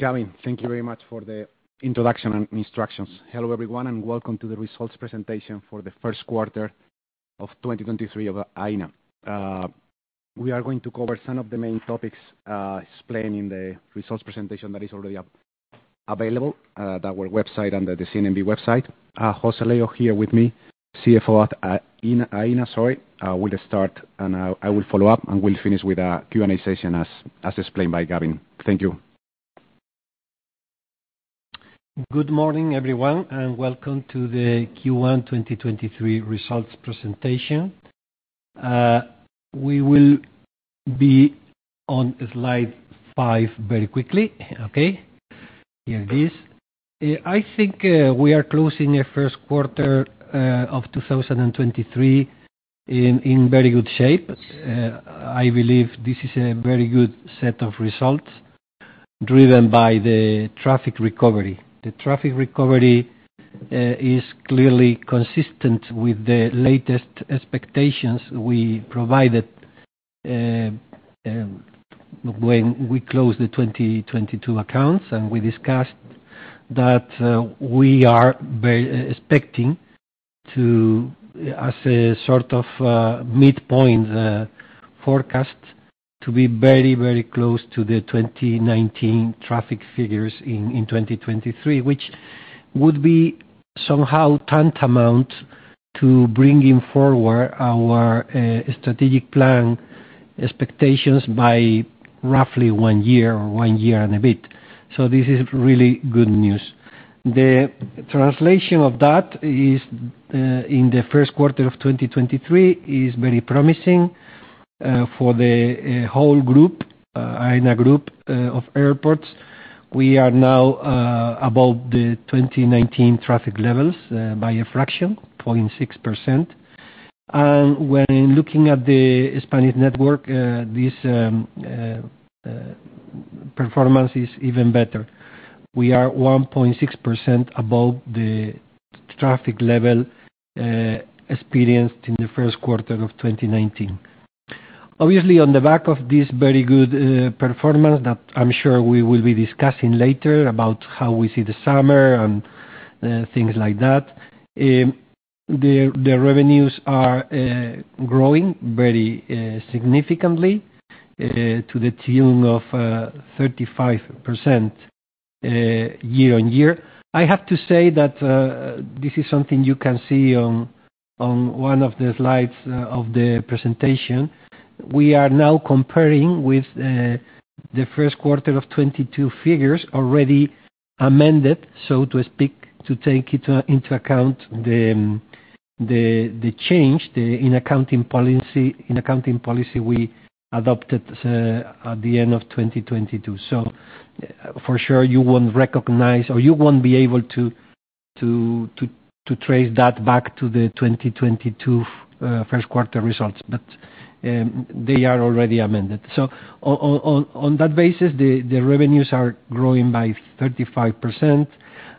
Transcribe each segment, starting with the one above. Gavin, thank you very much for the introduction and instructions. Hello, everyone, welcome to the results presentation for the first quarter of 2023 of Aena. We are going to cover some of the main topics explained in the results presentation that is already up-available at our website and at the CNMV website. José Leo here with me, CFO at Aena, will start I will follow up, we'll finish with our Q&A session as explained by Gavin. Thank you. Good morning, everyone. Welcome to the Q1 2023 results presentation. We will be on slide five very quickly. Okay. Here it is. I think we are closing a first quarter of 2023 in very good shape. I believe this is a very good set of results driven by the traffic recovery. The traffic recovery is clearly consistent with the latest expectations we provided when we closed the 2022 accounts, and we discussed that we are expecting to, as a sort of, midpoint forecast to be very, very close to the 2019 traffic figures in 2023, which would be somehow tantamount to bringing forward our strategic plan expectations by roughly one year or one year and a bit. This is really good news. The translation of that is, in the first quarter of 2023 is very promising for the whole group, Aena group of airports. We are now above the 2019 traffic levels by a fraction, 0.6%. When looking at the Spanish network, this performance is even better. We are 1.6% above the traffic level experienced in the first quarter of 2019. Obviously, on the back of this very good performance that I'm sure we will be discussing later about how we see the summer and things like that, the revenues are growing very significantly to the tune of 35% year-on-year. I have to say that this is something you can see on one of the slides of the presentation. We are now comparing with the first quarter of 2022 figures already amended, so to speak, to take into account the change in accounting policy we adopted at the end of 2022. For sure you won't recognize or you won't be able to trace that back to the 2022 first quarter results, but they are already amended. On that basis, the revenues are growing by 35%.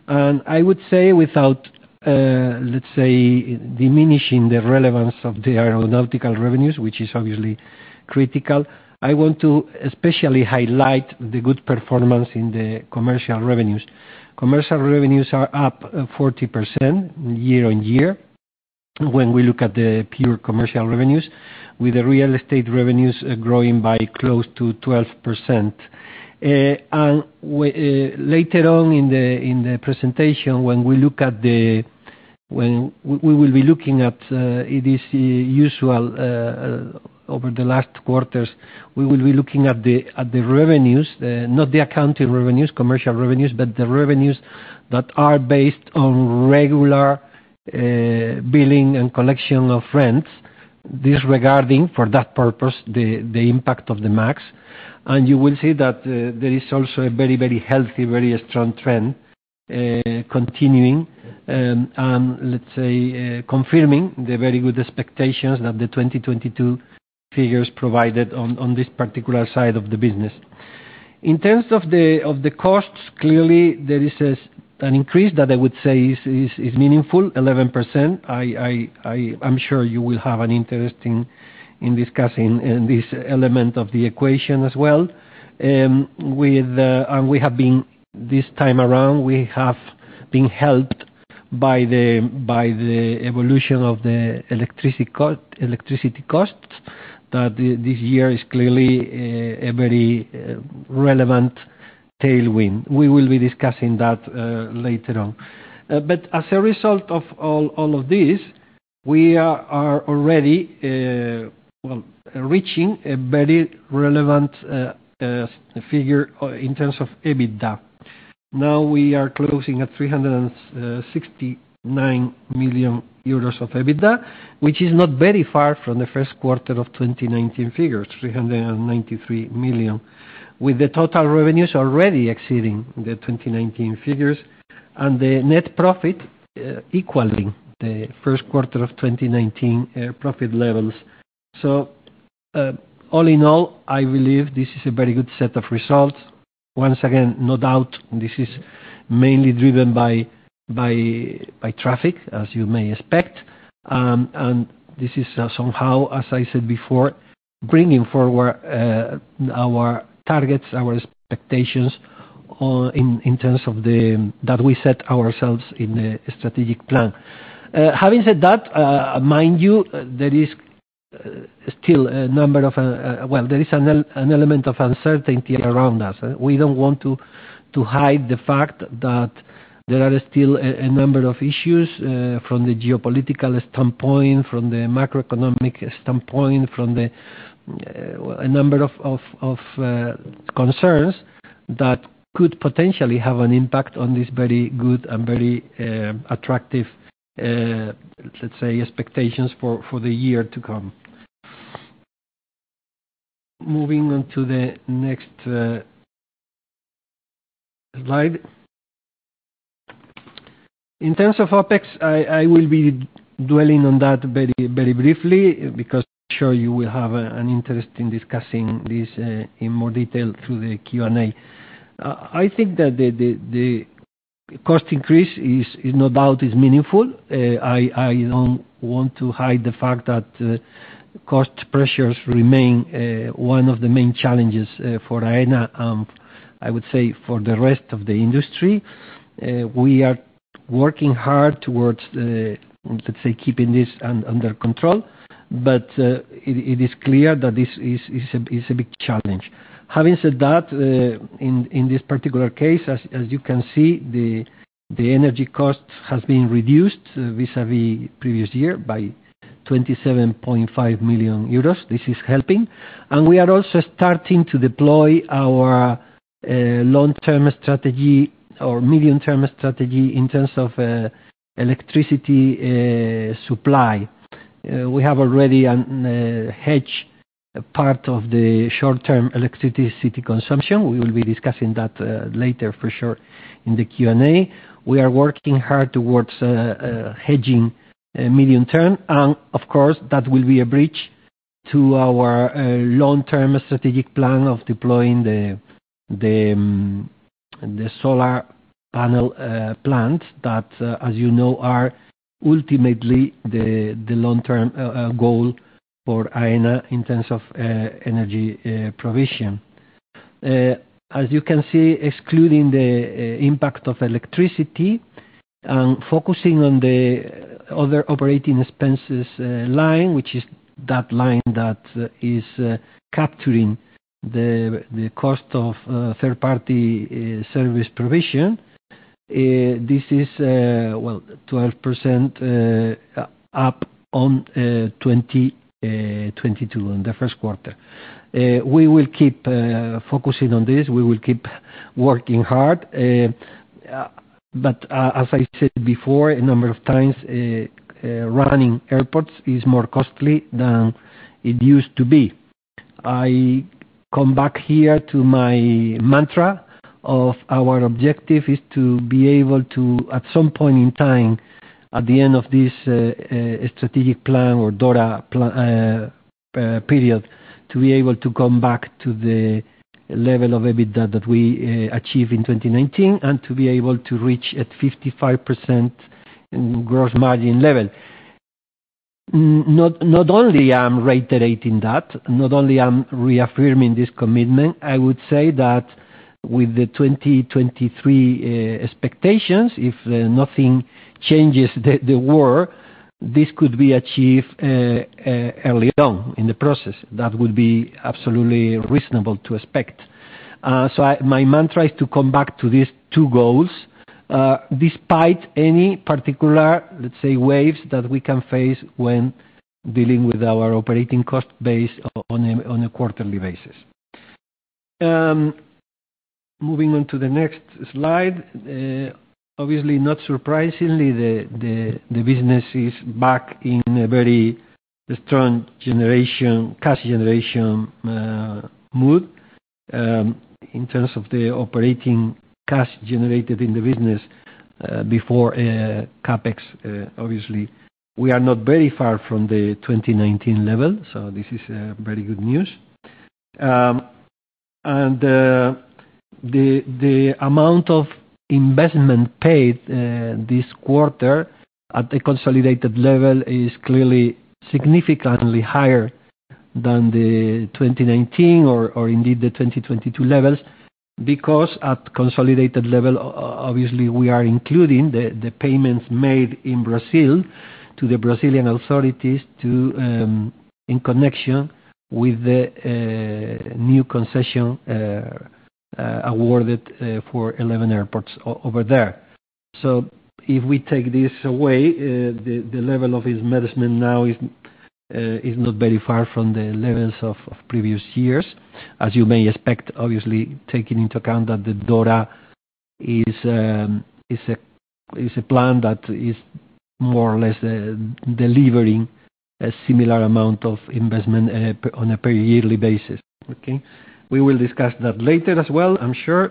I would say without, let's say diminishing the relevance of the aeronautical revenues, which is obviously critical, I want to especially highlight the good performance in the commercial revenues. Commercial revenues are up 40% year on year when we look at the pure commercial revenues, with the real estate revenues growing by close to 12%. We later on in the presentation, when we look at the, we will be looking at, it is usual over the last quarters, we will be looking at the revenues, not the accounting revenues, commercial revenues, but the revenues that are based on regular billing and collection of rents, disregarding, for that purpose, the impact of the MAGs. You will see that there is also a very, very healthy, very strong trend continuing, and let's say, confirming the very good expectations that the 2022 figures provided on this particular side of the business. In terms of the costs, clearly there is an increase that I would say is meaningful, 11%. I'm sure you will have an interest in discussing this element of the equation as well. We have been, this time around, we have been helped by the evolution of the electricity costs that this year is clearly a very relevant tailwind. We will be discussing that later on. As a result of all of this, we are already, well, reaching a very relevant figure in terms of EBITDA. We are closing at 369 million euros of EBITDA, which is not very far from the first quarter of 2019 figures, 393 million, with the total revenues already exceeding the 2019 figures and the net profit equaling the first quarter of 2019 profit levels. All in all, I believe this is a very good set of results. Once again, no doubt this is mainly driven by traffic, as you may expect. This is somehow, as I said before, bringing forward our targets, our expectations in terms of the that we set ourselves in a strategic plan. Having said that, mind you, there is still a number of, well, there is an element of uncertainty around us. We don't want to hide the fact that there are still a number of issues from the geopolitical standpoint, from the macroeconomic standpoint, from the well, a number of concerns that could potentially have an impact on this very good and very attractive, let's say, expectations for the year to come. Moving on to the next slide. In terms of OpEx, I will be dwelling on that very briefly because I'm sure you will have an interest in discussing this in more detail through the Q&A. I think that the cost increase is no doubt meaningful. I don't want to hide the fact that cost pressures remain one of the main challenges for Aena, I would say for the rest of the industry. We are working hard towards the, let's say, keeping this under control, it is clear that this is a big challenge. Having said that, in this particular case, as you can see, the energy cost has been reduced vis-à-vis previous year by 27.5 million euros. This is helping. We are also starting to deploy our long-term strategy or medium-term strategy in terms of electricity supply. We have already hedged part of the short-term electricity consumption. We will be discussing that later for sure in the Q&A. We are working hard towards hedging medium-term, and of course, that will be a bridge to our long-term strategic plan of deploying the solar panel plant that, as you know, are ultimately the long-term goal for Aena in terms of energy provision. As you can see, excluding the impact of electricity and focusing on the other operating expenses line, which is that line that is capturing the cost of third-party service provision, this is, well, 12% up on 2022 in the first quarter. We will keep focusing on this. We will keep working hard. As I said before, a number of times, running airports is more costly than it used to be. I come back here to my mantra of our objective is to be able to, at some point in time, at the end of this strategic plan or DORA period, to be able to come back to the level of EBITDA that we achieved in 2019 and to be able to reach a 55% gross margin level. Not only I'm reiterating that, not only I'm reaffirming this commitment, I would say that with the 2023 expectations, if nothing changes the war, this could be achieved early on in the process. That would be absolutely reasonable to expect. My mantra is to come back to these two goals despite any particular, let's say, waves that we can face when dealing with our operating cost base on a quarterly basis. Moving on to the next slide. Obviously, not surprisingly, the business is back in a very strong generation, cash generation mood. In terms of the operating cash generated in the business, before CapEx, obviously, we are not very far from the 2019 level, so this is very good news. The amount of investment paid this quarter at a consolidated level is clearly significantly higher than the 2019 or indeed the 2022 levels. Because at consolidated level, obviously, we are including the payments made in Brazil to the Brazilian authorities to, in connection with the new concession awarded for 11 airports over there. If we take this away, the level of investment now is not very far from the levels of previous years, as you may expect, obviously, taking into account that the DORA is a, is a plan that is more or less delivering a similar amount of investment on a per-yearly basis. Okay? We will discuss that later as well, I'm sure.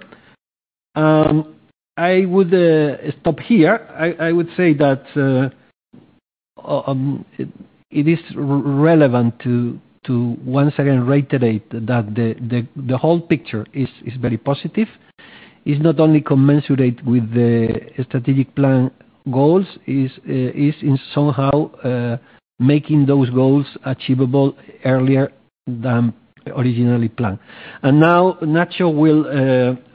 I would stop here. I would say that it is relevant to once again reiterate that the, the whole picture is very positive. Is not only commensurate with the strategic plan goals, is in somehow, making those goals achievable earlier than originally planned. Now Nacho will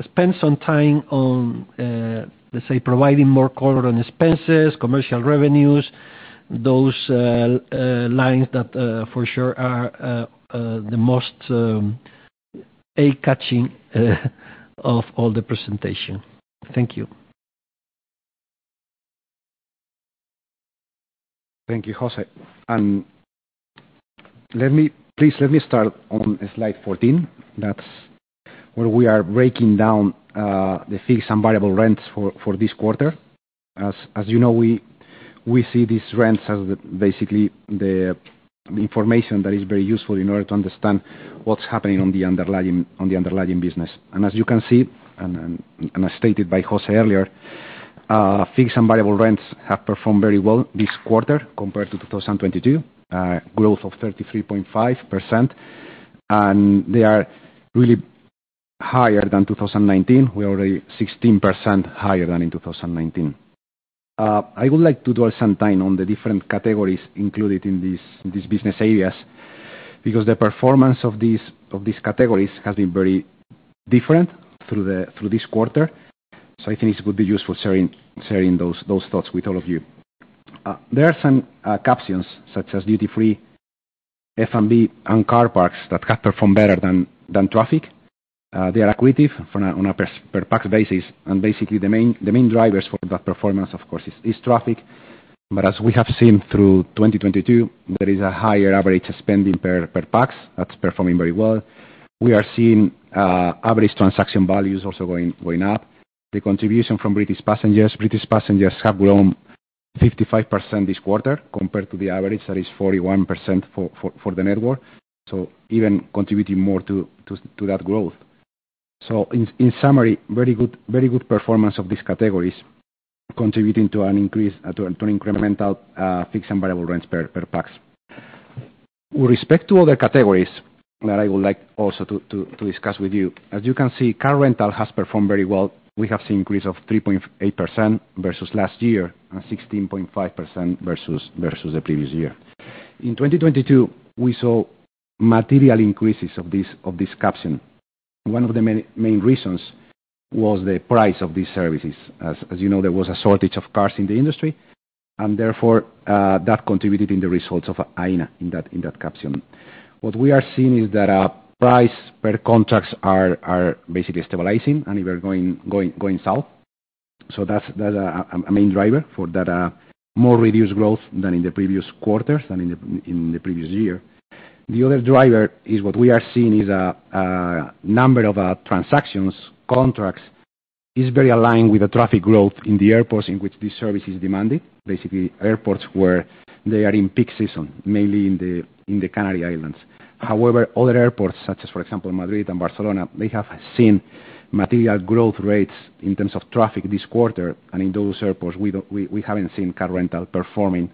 spend some time on, let's say, providing more color on expenses, commercial revenues, those lines that for sure are the most eye-catching of all the presentation. Thank you. Thank you, José. Please let me start on slide 14. That's where we are breaking down the fixed and variable rents for this quarter. As you know, we see these rents as basically the information that is very useful in order to understand what's happening on the underlying, on the underlying business. As you can see, and as stated by José earlier, fixed and variable rents have performed very well this quarter compared to 2022. Growth of 33.5%. They are really higher than 2019. We're already 16% higher than in 2019. I would like to dwell some time on the different categories included in these business areas, because the performance of these categories has been very different through this quarter. I think it would be useful sharing those thoughts with all of you. There are some captions such as duty-free, F&B, and car parks that have performed better than traffic. They are accretive on a per pax basis. Basically, the main drivers for that performance, of course, is traffic. As we have seen through 2022, there is a higher average spending per pax that's performing very well. We are seeing average transaction values also going up. British passengers have grown 55% this quarter compared to the average that is 41% for the network. Even contributing more to that growth. In summary, very good performance of these categories contributing to an increase to incremental fixed and variable rents per pax. With respect to other categories that I would like also to discuss with you, as you can see, car rental has performed very well. We have seen increase of 3.8% versus last year and 16.5% versus the previous year. In 2022, we saw material increases of this caption. One of the main reasons was the price of these services. As you know, there was a shortage of cars in the industry, and therefore, that contributed in the results of Aena in that caption. What we are seeing is that price per contracts are basically stabilizing, and we are going south. That's a main driver for that more reduced growth than in the previous quarters and in the previous year. The other driver is what we are seeing is a number of transactions, contracts, is very aligned with the traffic growth in the airports in which this service is demanded. Basically, airports where they are in peak season, mainly in the Canary Islands. However, other airports, such as, for example, Madrid and Barcelona, they have seen material growth rates in terms of traffic this quarter. In those airports, we haven't seen car rental performing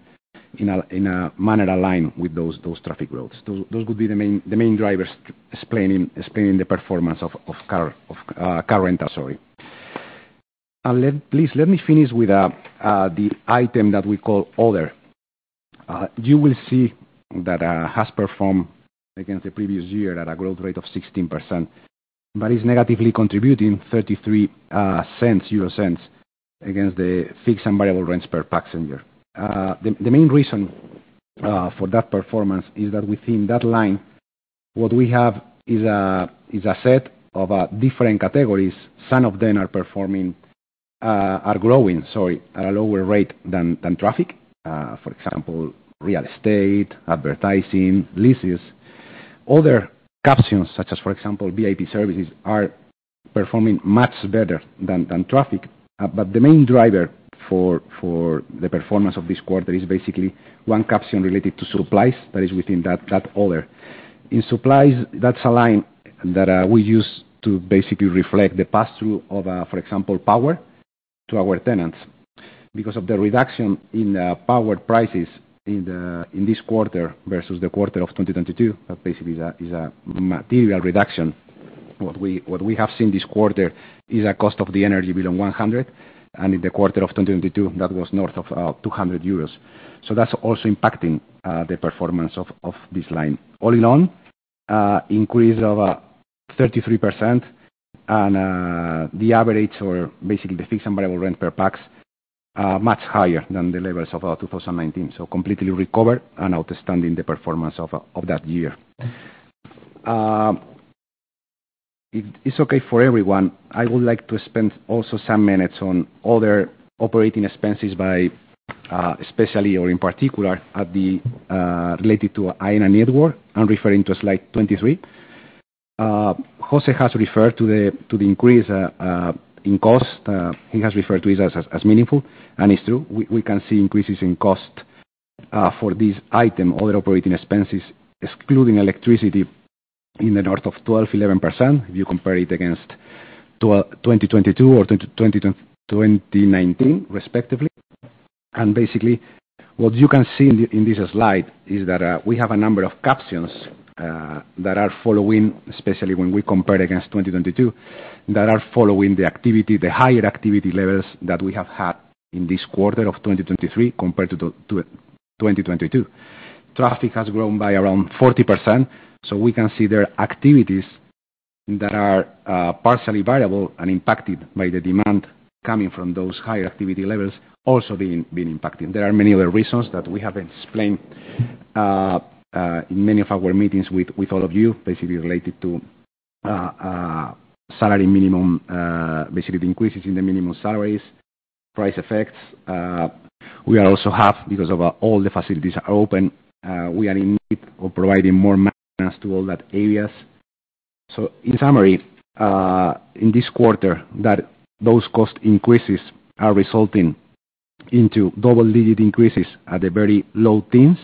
in a manner aligned with those traffic growths. Those could be the main drivers explaining the performance of car rental, sorry. Please, let me finish with the item that we call other. You will see that has performed against the previous year at a growth rate of 16%, but it's negatively contributing 0.33 against the fixed and variable rents per passenger. The main reason for that performance is that within that line, what we have is a set of different categories. Some of them are performing, are growing, sorry, at a lower rate than traffic. For example, real estate, advertising, leases. Other captions such as, for example, VIP services, are performing much better than traffic. The main driver for the performance of this quarter is basically one caption related to supplies that is within that other. In supplies, that's a line that we use to basically reflect the pass-through of, for example, power to our tenants. Because of the reduction in power prices in this quarter versus the quarter of 2022, that basically is a material reduction. What we have seen this quarter is a cost of the energy below 100, and in the quarter of 2022, that was north of 200 euros. That's also impacting the performance of this line. All in all, increase of 33% and the average or basically the fixed and variable rent per pax are much higher than the levels of 2019. Completely recovered and outstanding the performance of that year. If it's okay for everyone, I would like to spend also some minutes on other operating expenses by especially or in particular at the related to Aena network. I'm referring to slide 23. José has referred to the increase in cost. He has referred to it as meaningful, and it's true. We can see increases in cost for this item, other operating expenses, excluding electricity in the north of 12%, 11%, if you compare it against 2022 or 2019 respectively. Basically, what you can see in this slide is that we have a number of captions that are following, especially when we compare against 2022, that are following the activity, the higher activity levels that we have had in this quarter of 2023 compared to 2022. Traffic has grown by around 40%, we can see their activities that are partially variable and impacted by the demand coming from those higher activity levels also being impacted. There are many other reasons that we have explained in many of our meetings with all of you, basically related to salary minimum, basically the increases in the minimum salaries, price effects. We are also have, because of all the facilities are open, we are in need of providing more MAGs to all that areas. In summary, in this quarter that those cost increases are resulting into double-digit increases at the very low teens.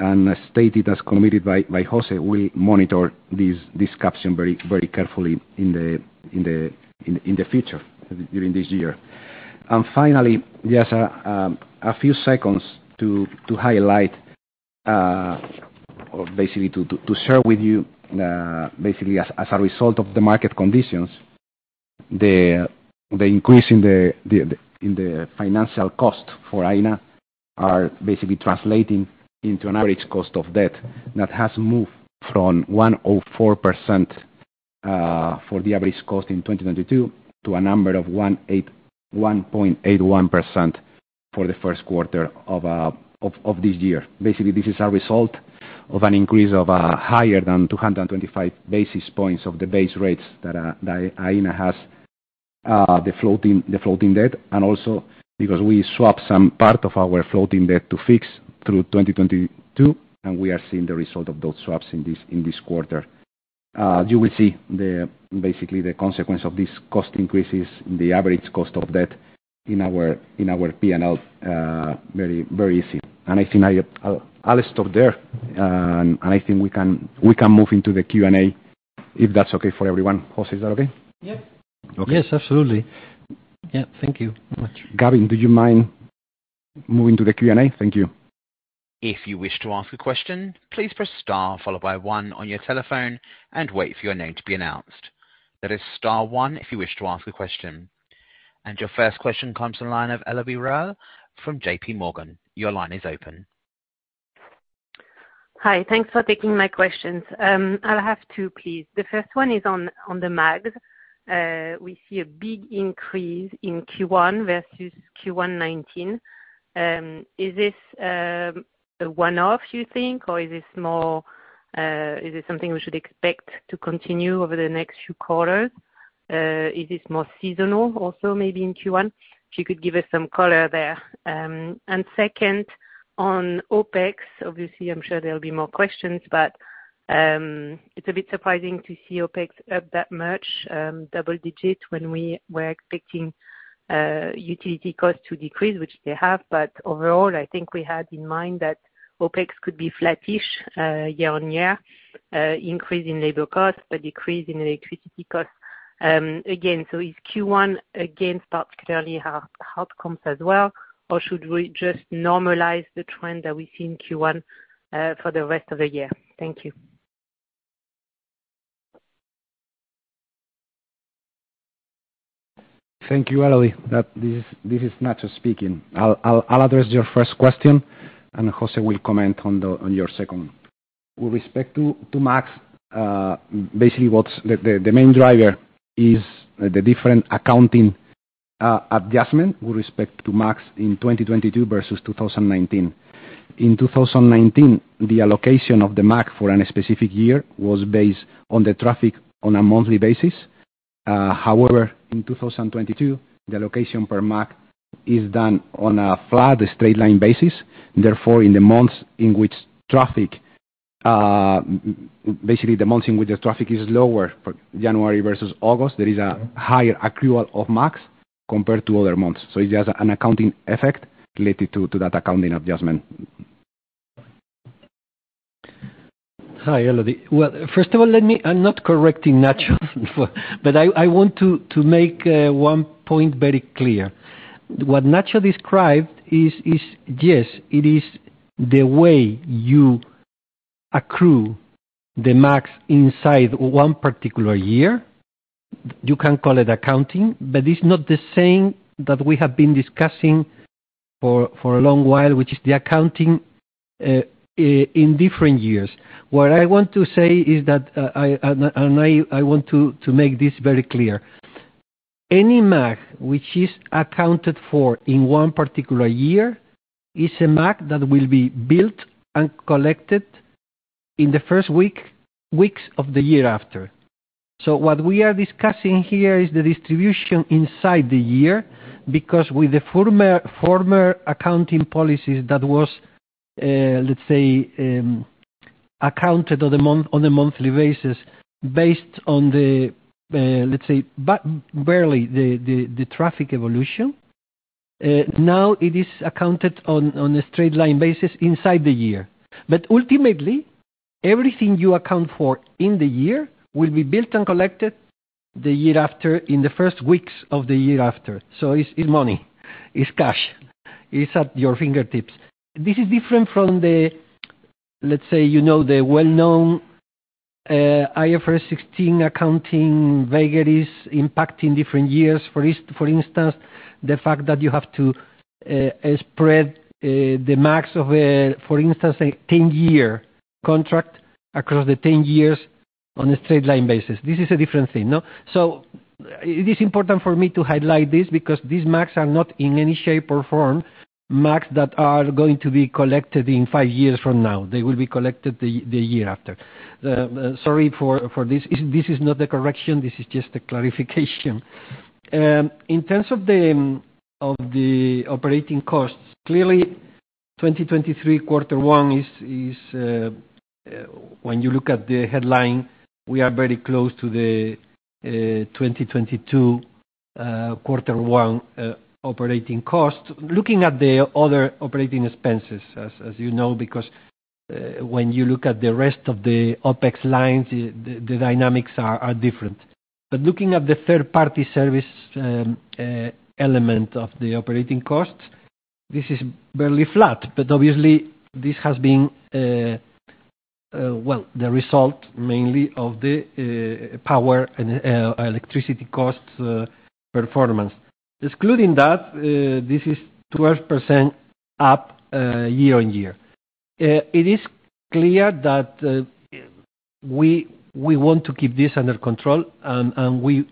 As stated, as committed by José, we monitor this caption very carefully in the future during this year. Finally, just a few seconds to highlight, or basically to share with you, basically as a result of the market conditions, the increase in the financial cost for Aena are basically translating into an average cost of debt that has moved from 1.04% for the average cost in 2022 to a number of 1.81% for the 1st quarter of this year. Basically, this is a result of an increase of higher than 225 basis points of the base rates that Aena has the floating debt. Also because we swap some part of our floating debt to fix through 2022, and we are seeing the result of those swaps in this, in this quarter. You will see the, basically the consequence of these cost increases, the average cost of debt in our P&L, very easy. I'll stop there. I think we can move into the Q&A, if that's okay for everyone. José, is that okay? Yep. Yes, absolutely. Yeah, thank you very much. Gavin, do you mind moving to the Q&A? Thank you. If you wish to ask a question, please press star followed by one on your telephone and wait for your name to be announced. That is star one if you wish to ask a question. Your first question comes to the line of Elodie Rall from JPMorgan. Your line is open. Hi. Thanks for taking my questions. I'll have two, please. The first one is on the MAGs. We see a big increase in Q1 versus Q1 2019. Is this a one-off, you think? Is this something we should expect to continue over the next few quarters? Is this more seasonal also maybe in Q1? If you could give us some color there. Second, on OpEx, obviously, I'm sure there'll be more questions, but it's a bit surprising to see OpEx up that much, double digits, when we were expecting utility costs to decrease, which they have. Overall, I think we had in mind that OpEx could be flattish, year-over-year, increase in labor costs, but decrease in electricity costs. Again, is Q1 again, particularly hard comps as well? Should we just normalize the trend that we see in Q1 for the rest of the year? Thank you. Thank you, Elodie. This is Nacho speaking. I'll address your first question, and José will comment on your second. With respect to MAGs, basically what's the main driver is the different accounting adjustment with respect to MAGs in 2022 versus 2019. In 2019, the allocation of the MAG for any specific year was based on the traffic on a monthly basis. However, in 2022, the allocation per MAG is done on a flat, straight line basis. In the months in which traffic, basically the months in which the traffic is lower, January versus August, there is a higher accrual of MAGs compared to other months. It's just an accounting effect related to that accounting adjustment. Hi, Elodie. Well, first of all, I'm not correcting Nacho, but I want to make one point very clear. What Nacho described is, yes, it is the way you accrue the MAGs inside one particular year. You can call it accounting, but it's not the same that we have been discussing for a long while, which is the accounting in different years. What I want to say is that I, and I want to make this very clear. Any MAG which is accounted for in one particular year is a MAG that will be built and collected in the first weeks of the year after. What we are discussing here is the distribution inside the year, because with the former accounting policies that was, let's say, accounted on a monthly basis based on the, let's say, barely the traffic evolution, now it is accounted on a straight line basis inside the year. Ultimately, everything you account for in the year will be built and collected the year after in the first weeks of the year after. It's money. It's cash. It's at your fingertips. This is different from the, let's say, you know, the well-known IFRS 16 accounting vagaries impacting different years. For instance, the fact that you have to spread the MAG of a, for instance, a 10-year contract across the 10 years on a straight line basis. This is a different thing. No? It is important for me to highlight this because these MAGs are not in any shape or form MAGs that are going to be collected in five years from now. They will be collected the year after. Sorry for this. This is not a correction. This is just a clarification. In terms of the operating costs, clearly 2023 quarter one is... When you look at the headline, we are very close to the 2022 quarter one operating cost. Looking at the other operating expenses, as you know, because when you look at the rest of the OpEx lines, the dynamics are different. Looking at the third-party service element of the operating costs, this is barely flat. Obviously this has been, well, the result mainly of the power and electricity cost performance. Excluding that, this is 12% up year-over-year. It is clear that we want to keep this under control, and we,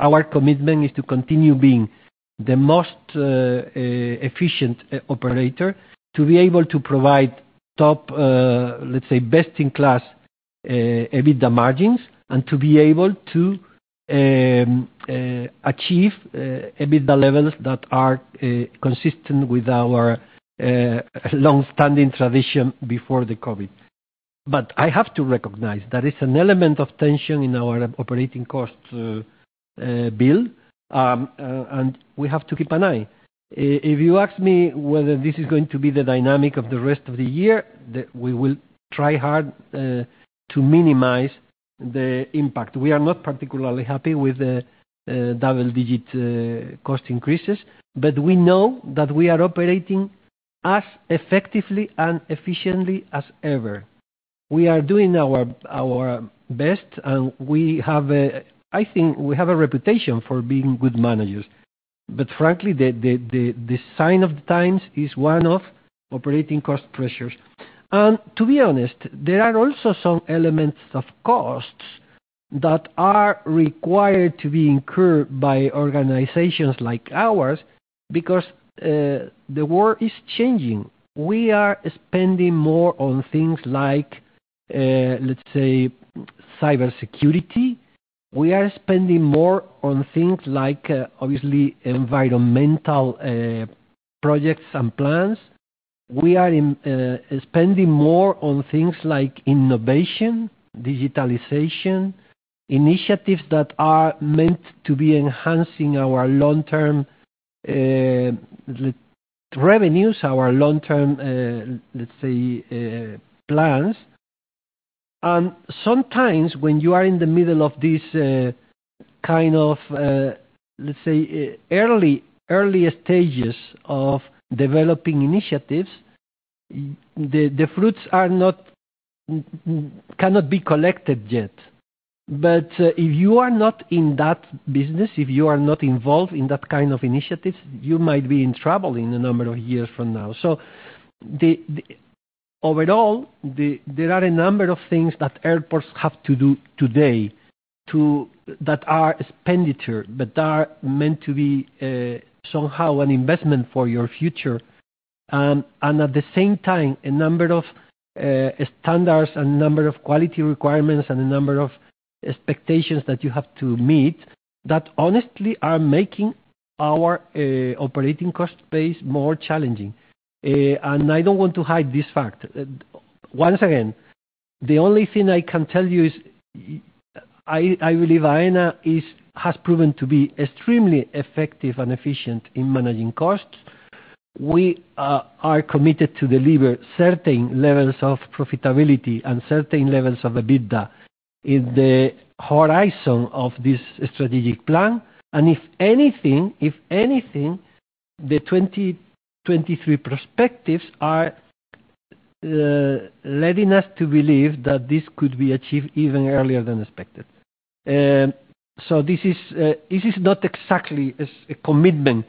our commitment is to continue being the most efficient operator to be able to provide top, let's say, best-in-class EBITDA margins and to be able to achieve EBITDA levels that are consistent with our long-standing tradition before the COVID. I have to recognize there is an element of tension in our operating cost bill, and we have to keep an eye. If you ask me whether this is going to be the dynamic of the rest of the year, we will try hard to minimize the impact. We are not particularly happy with the double-digit cost increases, but we know that we are operating as effectively and efficiently as ever. We are doing our best, and we have I think we have a reputation for being good managers. Frankly, the sign of the times is one of operating cost pressures. To be honest, there are also some elements of costs that are required to be incurred by organizations like ours because the world is changing. We are spending more on things like, let's say, cybersecurity. We are spending more on things like, obviously environmental projects and plans. We are spending more on things like innovation, digitalization, initiatives that are meant to be enhancing our long-term revenues, our long-term let's say plans. Sometimes when you are in the middle of this kind of let's say early stages of developing initiatives, the fruits are not collected yet. If you are not in that business, if you are not involved in that kind of initiatives, you might be in trouble in a number of years from now. Overall, there are a number of things that airports have to do today to that are expenditure, that are meant to be somehow an investment for your future. At the same time, a number of standards, a number of quality requirements, and a number of expectations that you have to meet that honestly are making our operating cost base more challenging. I don't want to hide this fact. Once again, the only thing I can tell you is I believe Aena has proven to be extremely effective and efficient in managing costs. We are committed to deliver certain levels of profitability and certain levels of EBITDA in the horizon of this strategic plan. If anything, if anything, the 2023 perspectives are leading us to believe that this could be achieved even earlier than expected. This is not exactly a commitment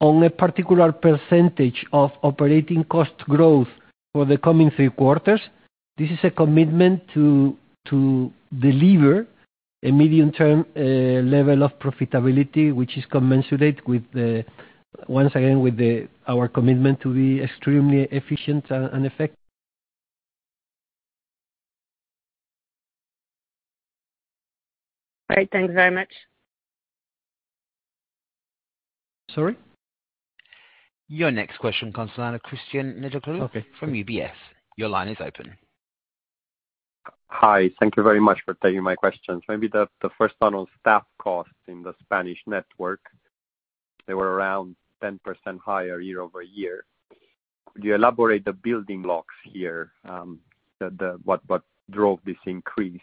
on a particular percentage of operating cost growth for the coming three quarters. This is a commitment to deliver a medium-term, level of profitability, which is commensurate with the, once again, with our commitment to be extremely efficient and effect. Great. Thank you very much. Sorry? Your next question comes on the line, Cristian Nedelcu from UBS. Your line is open. Hi. Thank you very much for taking my questions. Maybe the first one on staff costs in the Spanish network. They were around 10% higher year over year. Could you elaborate the building blocks here, what drove this increase?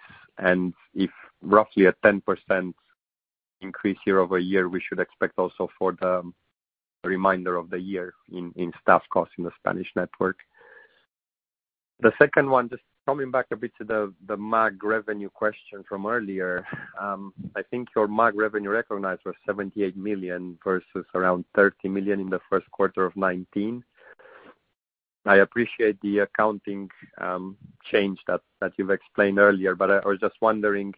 If roughly a 10% increase year over year, we should expect also for the remainder of the year in staff costs in the Spanish network. The second one, just coming back a bit to the MAG revenue question from earlier. I think your MAG revenue recognized was 78 million versus around 30 million in the first quarter of 2019. I appreciate the accounting change that you've explained earlier, but I was just wondering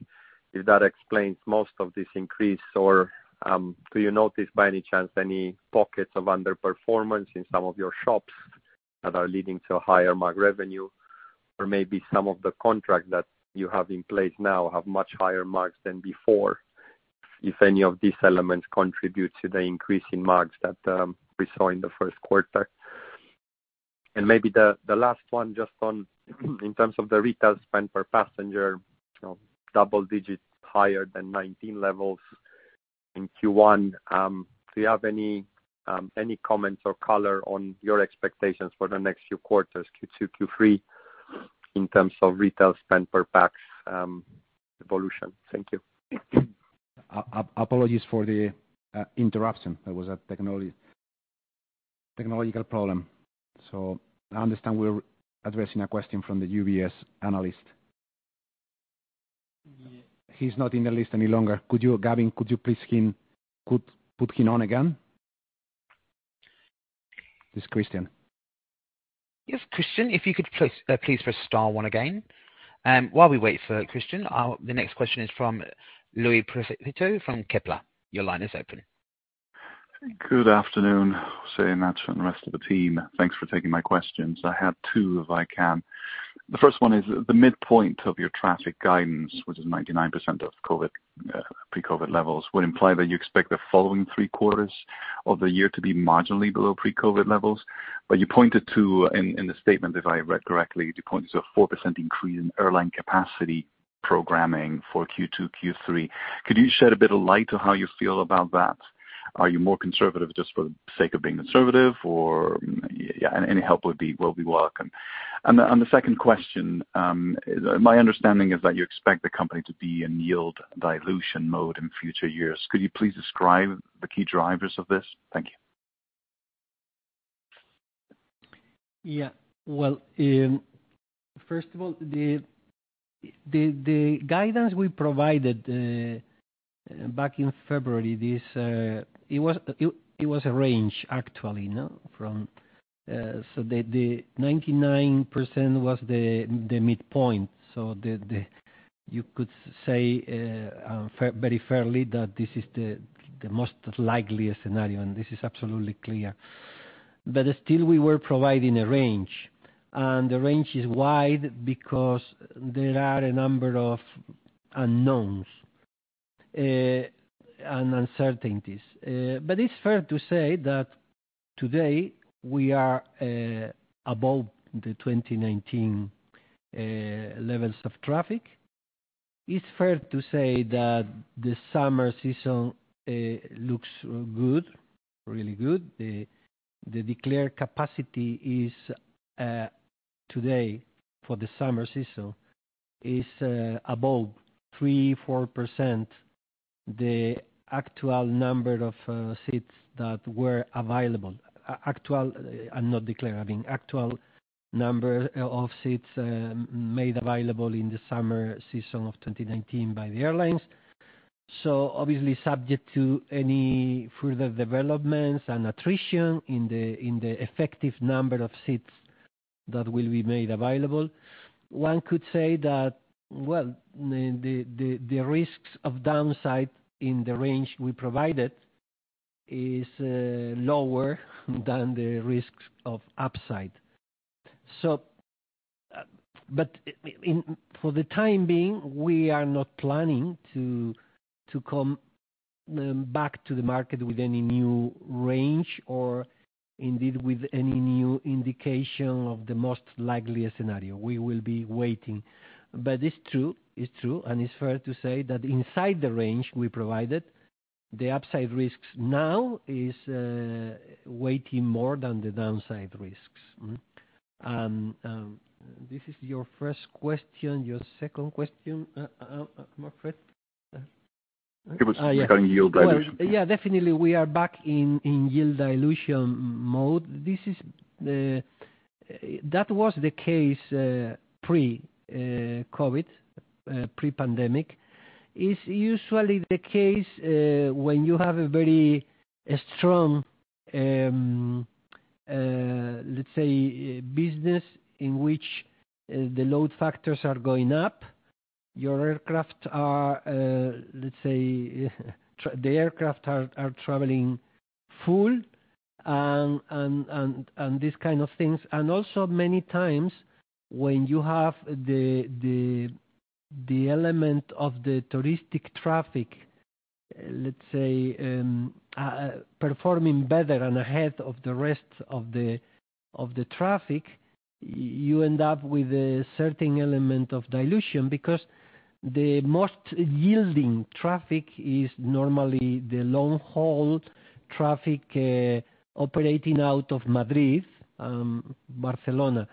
if that explains most of this increase or, do you notice by any chance any pockets of underperformance in some of your shops that are leading to higher MAG revenue or maybe some of the contracts that you have in place now have much higher MAGs than before, if any of these elements contribute to the increase in MAGs that we saw in the first quarter? Maybe the last one just on, in terms of the retail spend per passenger, you know, double digits higher than 2019 levels in Q1. Do you have any comments or color on your expectations for the next few quarters, Q2, Q3, in terms of retail spend per pax evolution? Thank you. Apologies for the interruption. There was a technological problem. I understand we're addressing a question from the UBS analyst. He's not in the list any longer. Gavin, could you please put him on again? It's Cristian. Yes. Cristian, if you could please press star one again. While we wait for Cristian, the next question is from Luis Prieto from Kepler Cheuvreux. Your line is open. Good afternoon, José, and the rest of the team. Thanks for taking my questions. I have two, if I can. The first one is the midpoint of your traffic guidance, which is 99% of COVID, pre-COVID levels, would imply that you expect the following 3 quarters of the year to be marginally below pre-COVID levels. You pointed to, in the statement, if I read correctly, you pointed to a 4% increase in airline capacity programming for Q2, Q3. Could you shed a bit of light on how you feel about that? Are you more conservative just for the sake of being conservative or... Yeah, any help will be welcome. The second question, my understanding is that you expect the company to be in yield dilution mode in future years. Could you please describe the key drivers of this? Thank you. Yeah. Well, first of all, the guidance we provided back in February, this. It was a range actually, you know, from, so the 99% was the midpoint. So you could say very fairly that this is the most likeliest scenario, and this is absolutely clear. Still we were providing a range, and the range is wide because there are a number of unknowns and uncertainties. It's fair to say that today we are above the 2019 levels of traffic. It's fair to say that the summer season looks good, really good. The declared capacity is today for the summer season is above 3%, 4% the actual number of seats that were available. actual and not declared, I mean, actual number of seats made available in the summer season of 2019 by the airlines. Obviously subject to any further developments and attrition in the effective number of seats that will be made available. One could say that, well, the risks of downside in the range we provided is lower than the risks of upside. For the time being, we are not planning to come back to the market with any new range or indeed with any new indication of the most likeliest scenario. We will be waiting. It's true, and it's fair to say that inside the range we provided, the upside risks now is weighting more than the downside risks. This is your first question. Your second question, Luis Prieto? It was regarding yield dilution. Well, yeah, definitely we are back in yield dilution mode. That was the case, pre-COVID, pre-pandemic. It's usually the case, when you have a very strong, let's say business in which, the load factors are going up, your aircraft are, let's say, traveling full and this kind of things. And also many times when you have the element of the touristic traffic, let's say, performing better and ahead of the rest of the traffic. You end up with a certain element of dilution because the most yielding traffic is normally the long-haul traffic, operating out of Madrid, Barcelona.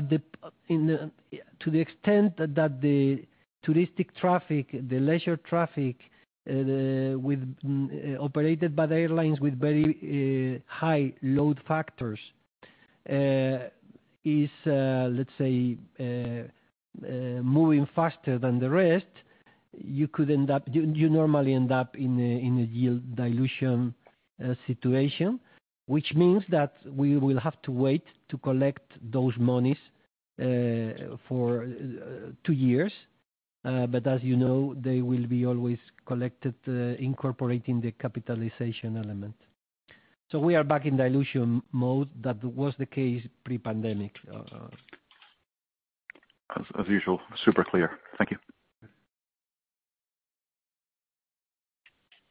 To the extent that the touristic traffic, the leisure traffic, operated by the airlines with very high load factors, is, let's say, moving faster than the rest, you normally end up in a yield dilution situation, which means that we will have to wait to collect those monies for two years. As you know, they will be always collected, incorporating the capitalization element. We are back in dilution mode. That was the case pre-pandemic. As usual, super clear. Thank you.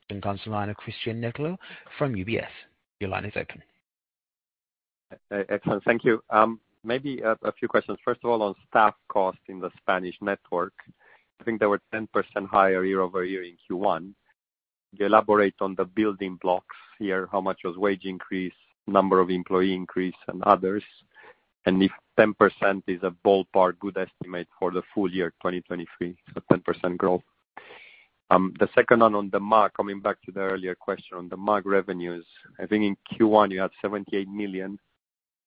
Next on the line is Cristian Nedelcu from UBS. Your line is open. Excellent. Thank you. Maybe a few questions. First of all, on staff cost in the Spanish network, I think they were 10% higher year-over-year in Q1. Could you elaborate on the building blocks here, how much was wage increase, number of employee increase, and others? If 10% is a ballpark good estimate for the full year 2023, so 10% growth. The second one on the MAG, coming back to the earlier question on the MAG revenues. I think in Q1, you had 78 million,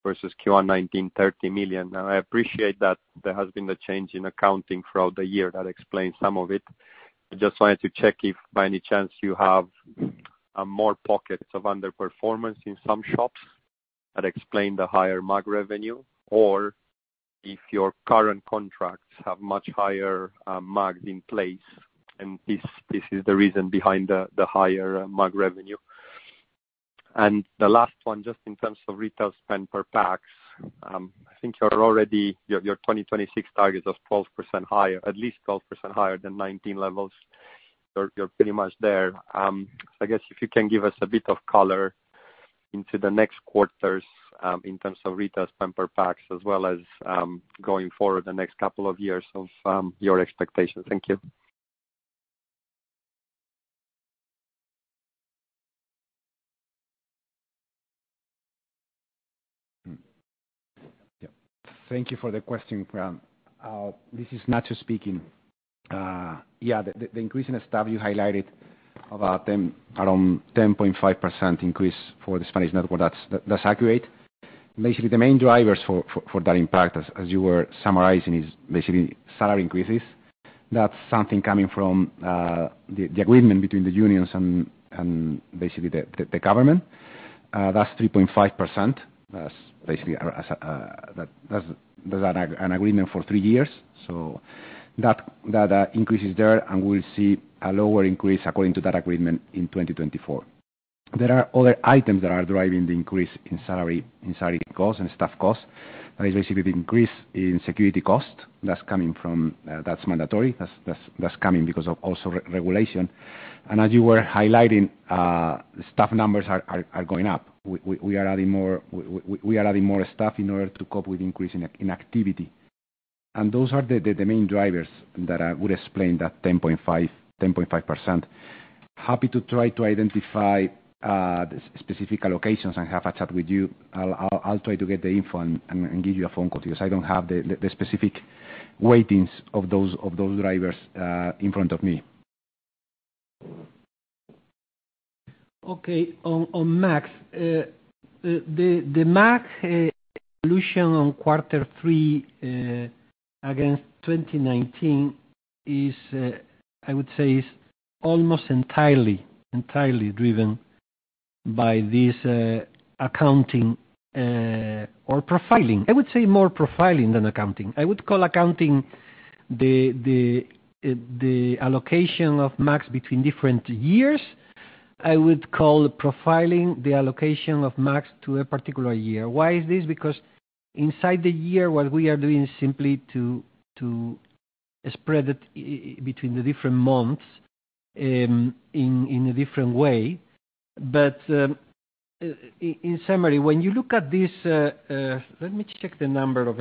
versus Q1 2019, 30 million. Now, I appreciate that there has been a change in accounting throughout the year that explains some of it. I just wanted to check if by any chance you have more pockets of underperformance in some shops that explain the higher MAG revenue, or if your current contracts have much higher MAGs in place, and this is the reason behind the higher MAG revenue. The last one, just in terms of retail spend per pax. I think you're already your 2026 targets of 12% higher, at least 12% higher than 2019 levels. You're pretty much there. So I guess if you can give us a bit of color into the next quarters, in terms of retail spend per pax, as well as going forward the next couple of years of your expectations. Thank you. Yeah. Thank you for the question, Cristian. This is Nacho speaking. The increase in the staff you highlighted around 10.5% increase for the Spanish network, that's accurate. Basically, the main drivers for that impact, as you were summarizing, is basically salary increases. That's something coming from the agreement between the unions and basically the government. That's 3.5%. That's basically as. That's an agreement for three years. That increase is there, and we'll see a lower increase according to that agreement in 2024. There are other items that are driving the increase in salary costs and staff costs. That is basically the increase in security costs that's coming from, that's mandatory. That's coming because of also re-regulation. As you were highlighting, staff numbers are going up. We are adding more staff in order to cope with increase in activity. Those are the main drivers that would explain that 10.5%. Happy to try to identify specific allocations and have a chat with you. I'll try to get the info and give you a phone call to you, because I don't have the specific weightings of those drivers in front of me. Okay. On MAG. The MAG dilution on Q3 against 2019 is I would say is almost entirely driven by this accounting or profiling. I would say more profiling than accounting. I would call accounting the allocation of MAGs between different years. I would call profiling the allocation of MAGs to a particular year. Why is this? Because inside the year, what we are doing is simply to spread it between the different months, in a different way. In summary, when you look at this, Let me check the number of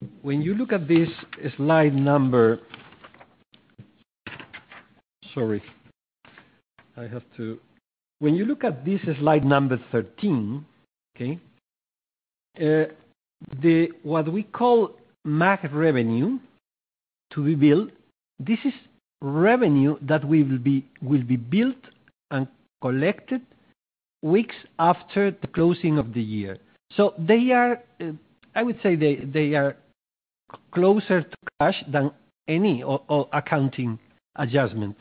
the slide. When you look at this slide number 13, okay? What we call MAG revenue to be built, this is revenue that we will be built and collected weeks after the closing of the year. They are, I would say they are closer to cash than any accounting adjustment.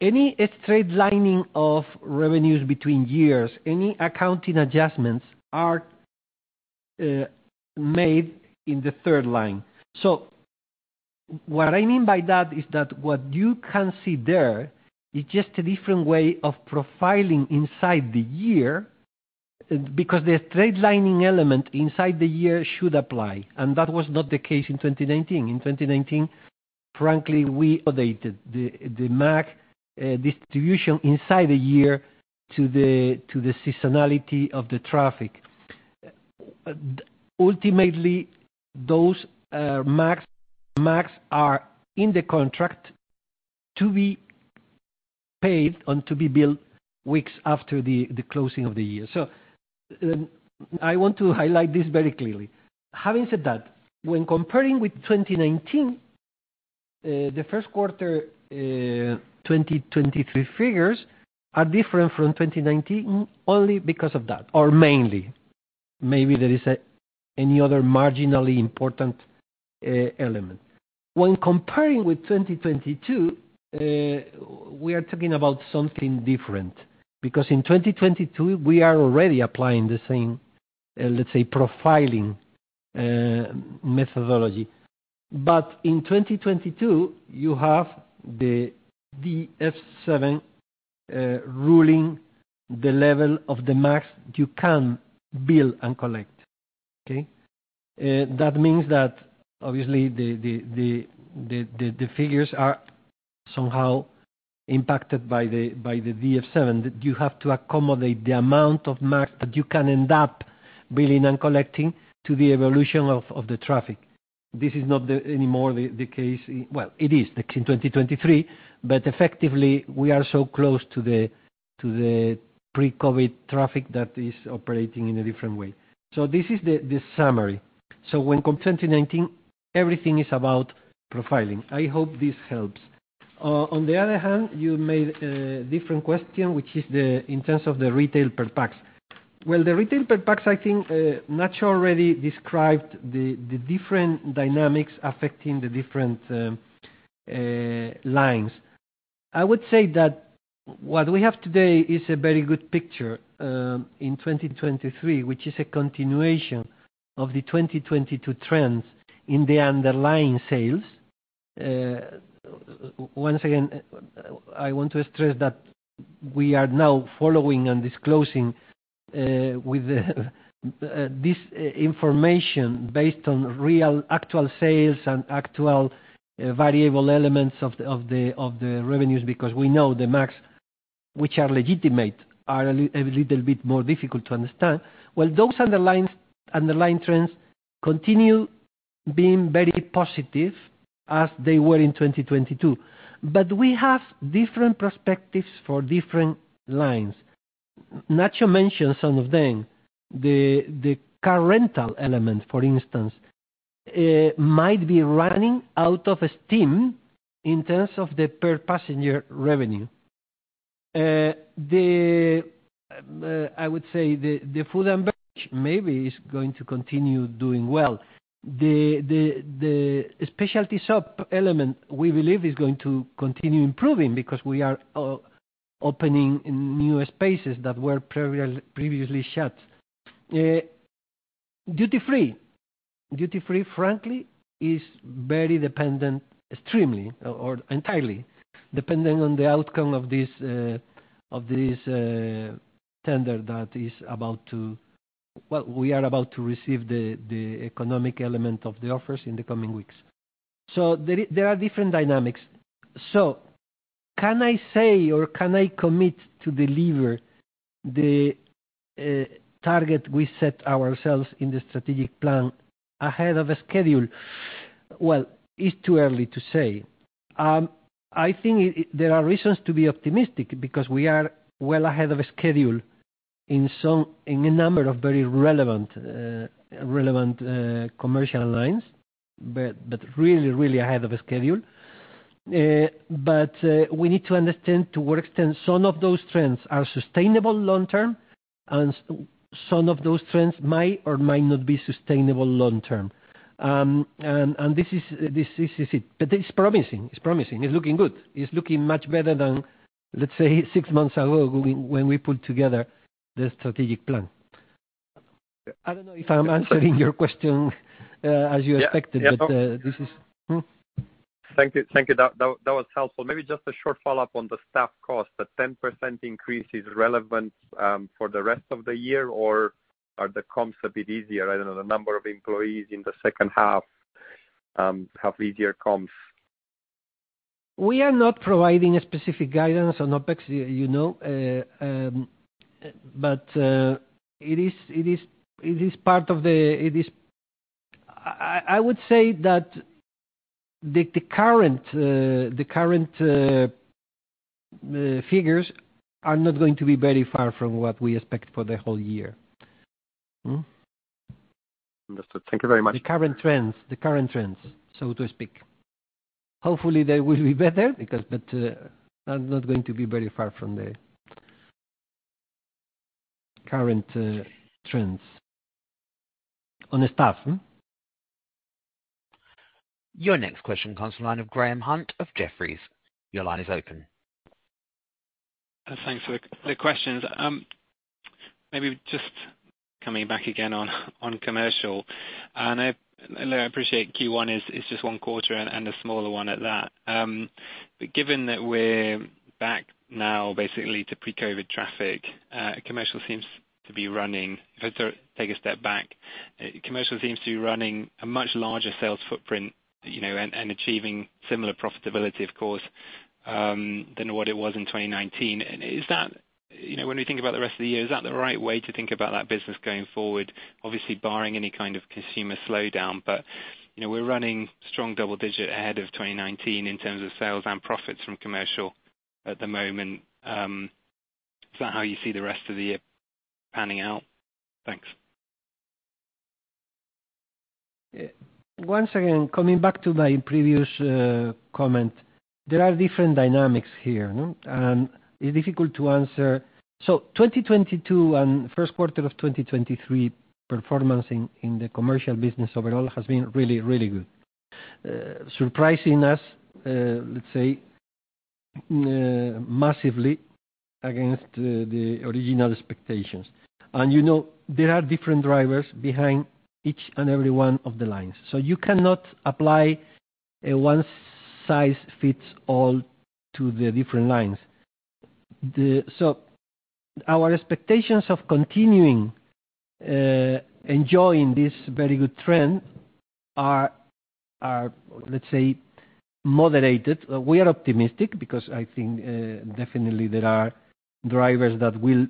Any straight-lining of revenues between years, any accounting adjustments are made in the third line. What I mean by that is that what you can see there is just a different way of profiling inside the year, because the straight-lining element inside the year should apply, and that was not the case in 2019. In 2019, frankly, we updated the MAG distribution inside the year to the seasonality of the traffic. Ultimately, those MAGs are in the contract to be paid and to be billed weeks after the closing of the year. I want to highlight this very clearly. Having said that, when comparing with 2019, the first quarter, 2023 figures are different from 2019 only because of that, or mainly. Maybe there is any other marginally important element. When comparing with 2022, we are talking about something different because in 2022, we are already applying the same, let's say, profiling, methodology. In 2022, you have the DF7, ruling the level of the MAGs you can bill and collect. Okay? That means that obviously the figures are somehow impacted by the, by the DF7. You have to accommodate the amount of MAG that you can end up billing and collecting to the evolution of the traffic. This is not anymore the case well, it is the case in 2023, but effectively, we are so close to the pre-COVID traffic that is operating in a different way. This is the summary. When comparing to 2019, everything is about profiling. I hope this helps. On the other hand, you made a different question, which is in terms of the retail per pax. Well, the retail per pax, I think, Nacho already described the different dynamics affecting the different lines. I would say that what we have today is a very good picture in 2023, which is a continuation of the 2022 trends in the underlying sales. Once again, I want to stress that we are now following and disclosing this information based on real actual sales and actual variable elements of the revenues, because we know the MAGs which are legitimate are a little bit more difficult to understand. Well, those underlying trends continue being very positive as they were in 2022. We have different perspectives for different lines. Nacho mentioned some of them. The, the car rental element, for instance, might be running out of steam in terms of the per passenger revenue. The, I would say the food and beverage maybe is going to continue doing well. The, the specialty sub-element, we believe, is going to continue improving because we are opening new spaces that were previously shut. Duty-free. Duty-free, frankly, is very dependent, extremely or entirely dependent on the outcome of this, tender that is about to. Well, we are about to receive the economic element of the offers in the coming weeks. There are different dynamics. Can I say, or can I commit to deliver the target we set ourselves in the strategic plan ahead of schedule? Well, it's too early to say. I think it there are reasons to be optimistic because we are well ahead of schedule in some, in a number of very relevant commercial lines, but really ahead of schedule. We need to understand to what extent some of those trends are sustainable long term, and some of those trends might or might not be sustainable long term. This is it. It's promising. It's promising. It's looking good. It's looking much better than, let's say, six months ago when we put together the strategic plan. I don't know if I'm answering your question as you expected. Yeah. Hmm? Thank you. That was helpful. Maybe just a short follow-up on the staff cost. The 10% increase is relevant for the rest of the year, or are the comps a bit easier? I don't know, the number of employees in the second half have easier comps. We are not providing a specific guidance on OpEx, you know, I would say that the current figures are not going to be very far from what we expect for the whole year. Hmm. Understood. Thank you very much. The current trends, so to speak. Hopefully, they will be better because... I'm not going to be very far from the current trends on staff. Hmm? Your next question comes from the line of Graham Hunt of Jefferies. Your line is open. Thanks for the questions. Maybe just coming back again on commercial, and I appreciate Q1 is just one quarter and a smaller one at that. Given that we're back now basically to pre-COVID traffic, commercial seems to be running a much larger sales footprint, you know, and achieving similar profitability, of course, than what it was in 2019. You know, when we think about the rest of the year, is that the right way to think about that business going forward? Obviously, barring any kind of consumer slowdown, but, you know, we're running strong double-digit ahead of 2019 in terms of sales and profits from commercial at the moment. Is that how you see the rest of the year panning out? Thanks. Once again, coming back to my previous comment, there are different dynamics here. It's difficult to answer. 2022 and first quarter of 2023 performance in the commercial business overall has been really, really good. Surprising us, let's say, massively against the original expectations. You know, there are different drivers behind each and every one of the lines. You cannot apply a one size fits all to the different lines. Our expectations of continuing enjoying this very good trend are, let's say, moderated. We are optimistic because I think definitely there are drivers that will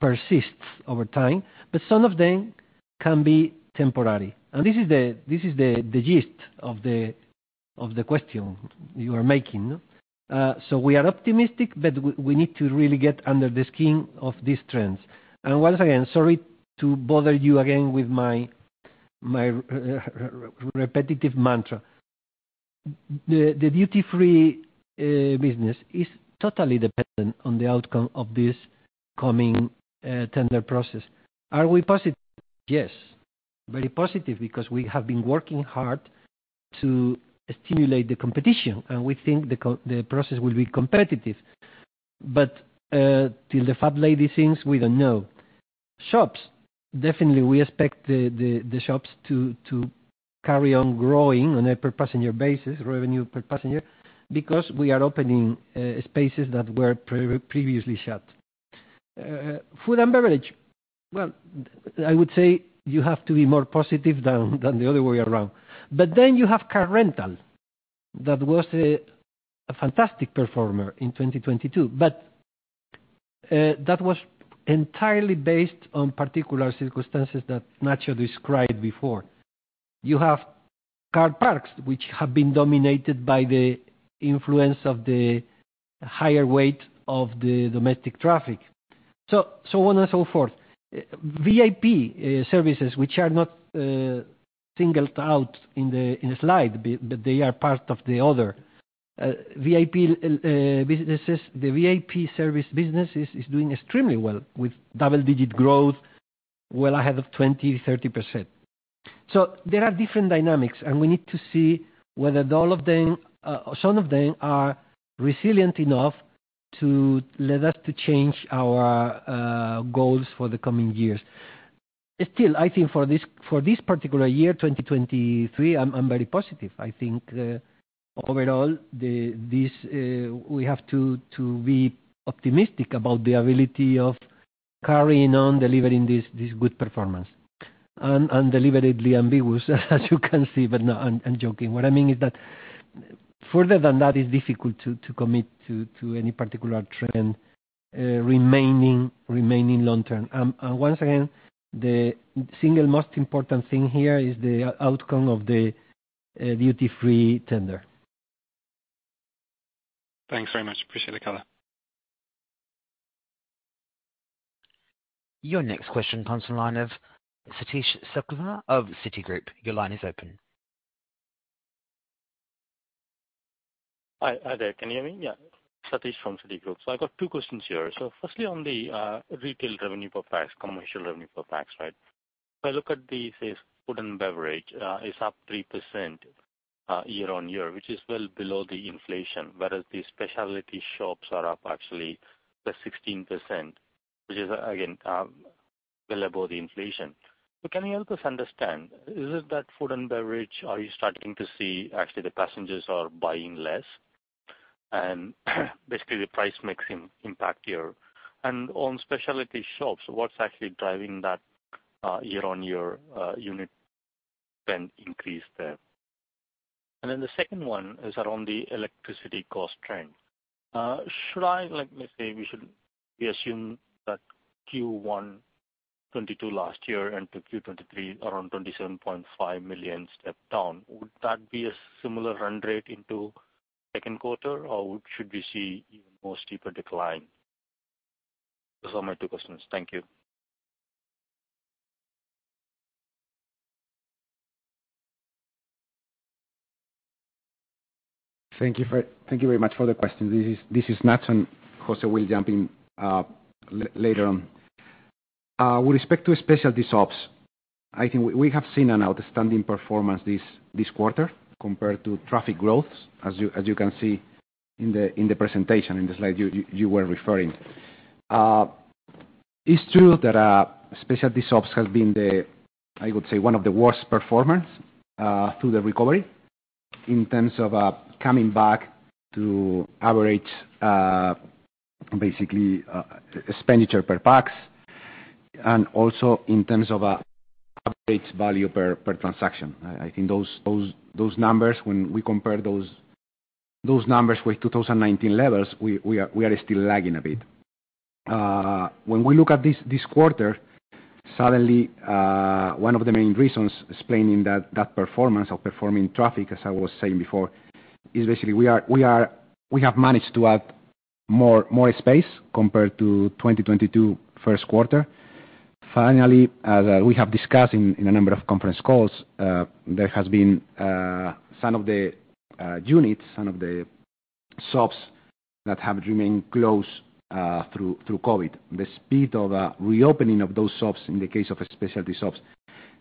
persist over time, but some of them can be temporary. This is the gist of the question you are making. We are optimistic, but we need to really get under the skin of these trends. Once again, sorry to bother you again with my repetitive mantra. The duty-free business is totally dependent on the outcome of this coming tender process. Are we positive? Yes, very positive, because we have been working hard to stimulate the competition, and we think the process will be competitive. Till the fat lady sings, we don't know. Shops, definitely, we expect the shops to carry on growing on a per passenger basis, revenue per passenger, because we are opening spaces that were previously shut. Food and beverage. Well, I would say you have to be more positive than the other way around. You have car rental. That was a fantastic performer in 2022, but that was entirely based on particular circumstances that Nacho described before. You have car parks, which have been dominated by the influence of the higher weight of the domestic traffic, so on and so forth. VIP services, which are not singled out in the slide, but they are part of the other. VIP businesses... The VIP service business is doing extremely well with double-digit growth well ahead of 20%-30%. There are different dynamics, and we need to see whether all of them, or some of them are resilient enough to lead us to change our goals for the coming years. I think for this particular year, 2023, I'm very positive. I think, overall, the, this, we have to be optimistic about the ability of carrying on delivering this good performance. I'm deliberately ambiguous, as you can see, no, I'm joking. What I mean is that further than that, it's difficult to commit to any particular trend, remaining long term. Once again, the single most important thing here is the outcome of the duty-free tender. Thanks very much. Appreciate the color. Your next question comes from the line of Sathish Sivakumar of Citigroup. Your line is open. Hi. Hi there. Can you hear me? Yeah. Sathish from Citigroup. I got two questions here. Firstly, on the retail revenue per pax, commercial revenue per pax, right? If I look at the, say, food and beverage, it's up 3% year-on-year, which is well below the inflation, whereas the specialty shops are up actually plus 16%, which is again well above the inflation. Can you help us understand, is it that food and beverage, are you starting to see actually the passengers are buying less and basically the price mixing impact here? On specialty shops, what's actually driving that year-on-year unit spend increase there? Then the second one is around the electricity cost trend. Should I, like, let's say, we assume that Q1 2022 last year into Q1 2023 around 27.5 million step down? Would that be a similar run rate into second quarter, or should we see even more steeper decline? Those are my two questions. Thank you. Thank you very much for the question. This is Nacho. José will jump in later on. With respect to specialty shops, I think we have seen an outstanding performance this quarter compared to traffic growth, as you can see in the presentation, in the slide you were referring. It's true that specialty shops have been I would say one of the worst performers through the recovery in terms of coming back to average basically expenditure per pax, and also in terms of average value per transaction. I think those numbers, when we compare those numbers with 2019 levels, we are still lagging a bit. When we look at this quarter, suddenly, one of the main reasons explaining that performance of performing traffic, as I was saying before, is basically we have managed to add more space compared to 2022 first quarter. Finally, as we have discussed in a number of conference calls, there has been some of the units, some of the shops that have remained closed through COVID. The speed of reopening of those shops in the case of specialty shops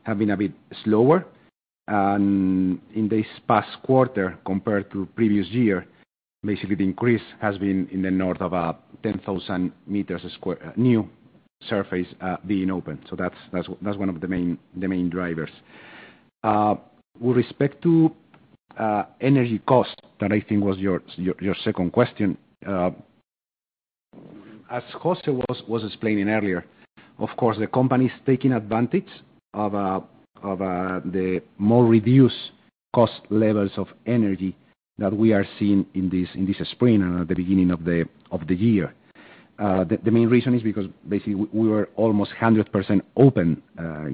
have been a bit slower. In this past quarter, compared to previous year, basically the increase has been in the north of 10,000 meters square new surface being opened. That's one of the main drivers. With respect to energy cost, that I think was your second question, as José was explaining earlier, of course, the company is taking advantage of the more reduced cost levels of energy that we are seeing in this spring and at the beginning of the year. The main reason is because basically we were almost 100% open,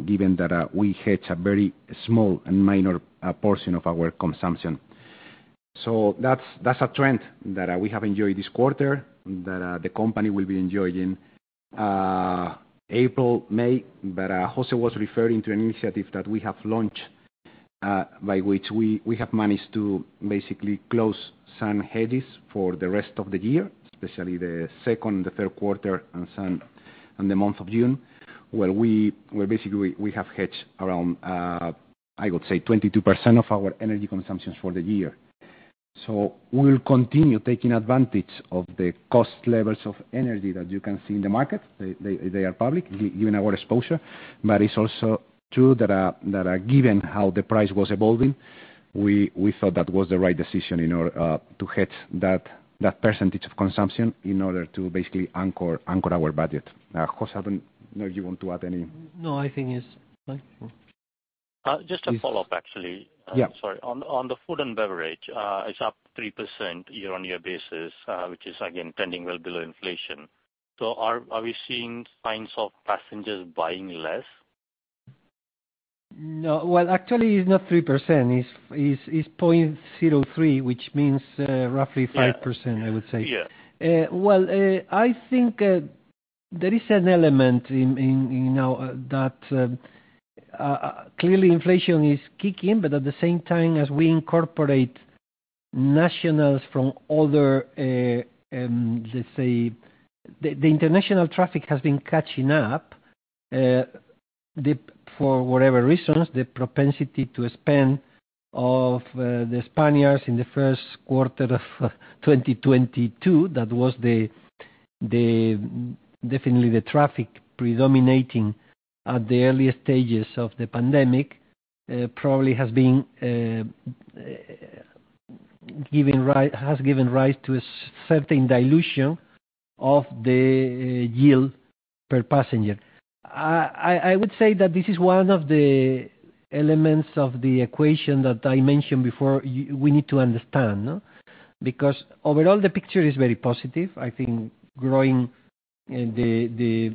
given that we hedged a very small and minor portion of our consumption. That's a trend that we have enjoyed this quarter, that the company will be enjoying April, May. José was referring to an initiative that we have launched by which we have managed to basically close some hedges for the rest of the year, especially the second and the third quarter and the month of June, where basically we have hedged around, I would say 22% of our energy consumptions for the year. We will continue taking advantage of the cost levels of energy that you can see in the market. They are public given our exposure. It's also true that given how the price was evolving, we thought that was the right decision in order to hedge that percentage of consumption in order to basically anchor our budget. José, I don't know if you want to add. No, I think it's... No? Just a follow-up, actually. Yeah. Sorry. On the food and beverage, it's up 3% year-on-year basis, which is again trending well below inflation. Are we seeing signs of passengers buying less? No. Well, actually, it's not 3%. It's 0.03, which means, roughly 5%... Yeah. I would say. Well, I think there is an element in now that clearly inflation is kicking. At the same time, as we incorporate nationals from other, let's say... The international traffic has been catching up. For whatever reasons, the propensity to spend of the Spaniards in the first quarter of 2022, that was definitely the traffic predominating at the early stages of the pandemic, probably has given rise to a certain dilution of the yield per passenger. I would say that this is one of the elements of the equation that I mentioned before we need to understand. Overall, the picture is very positive. I think growing, the...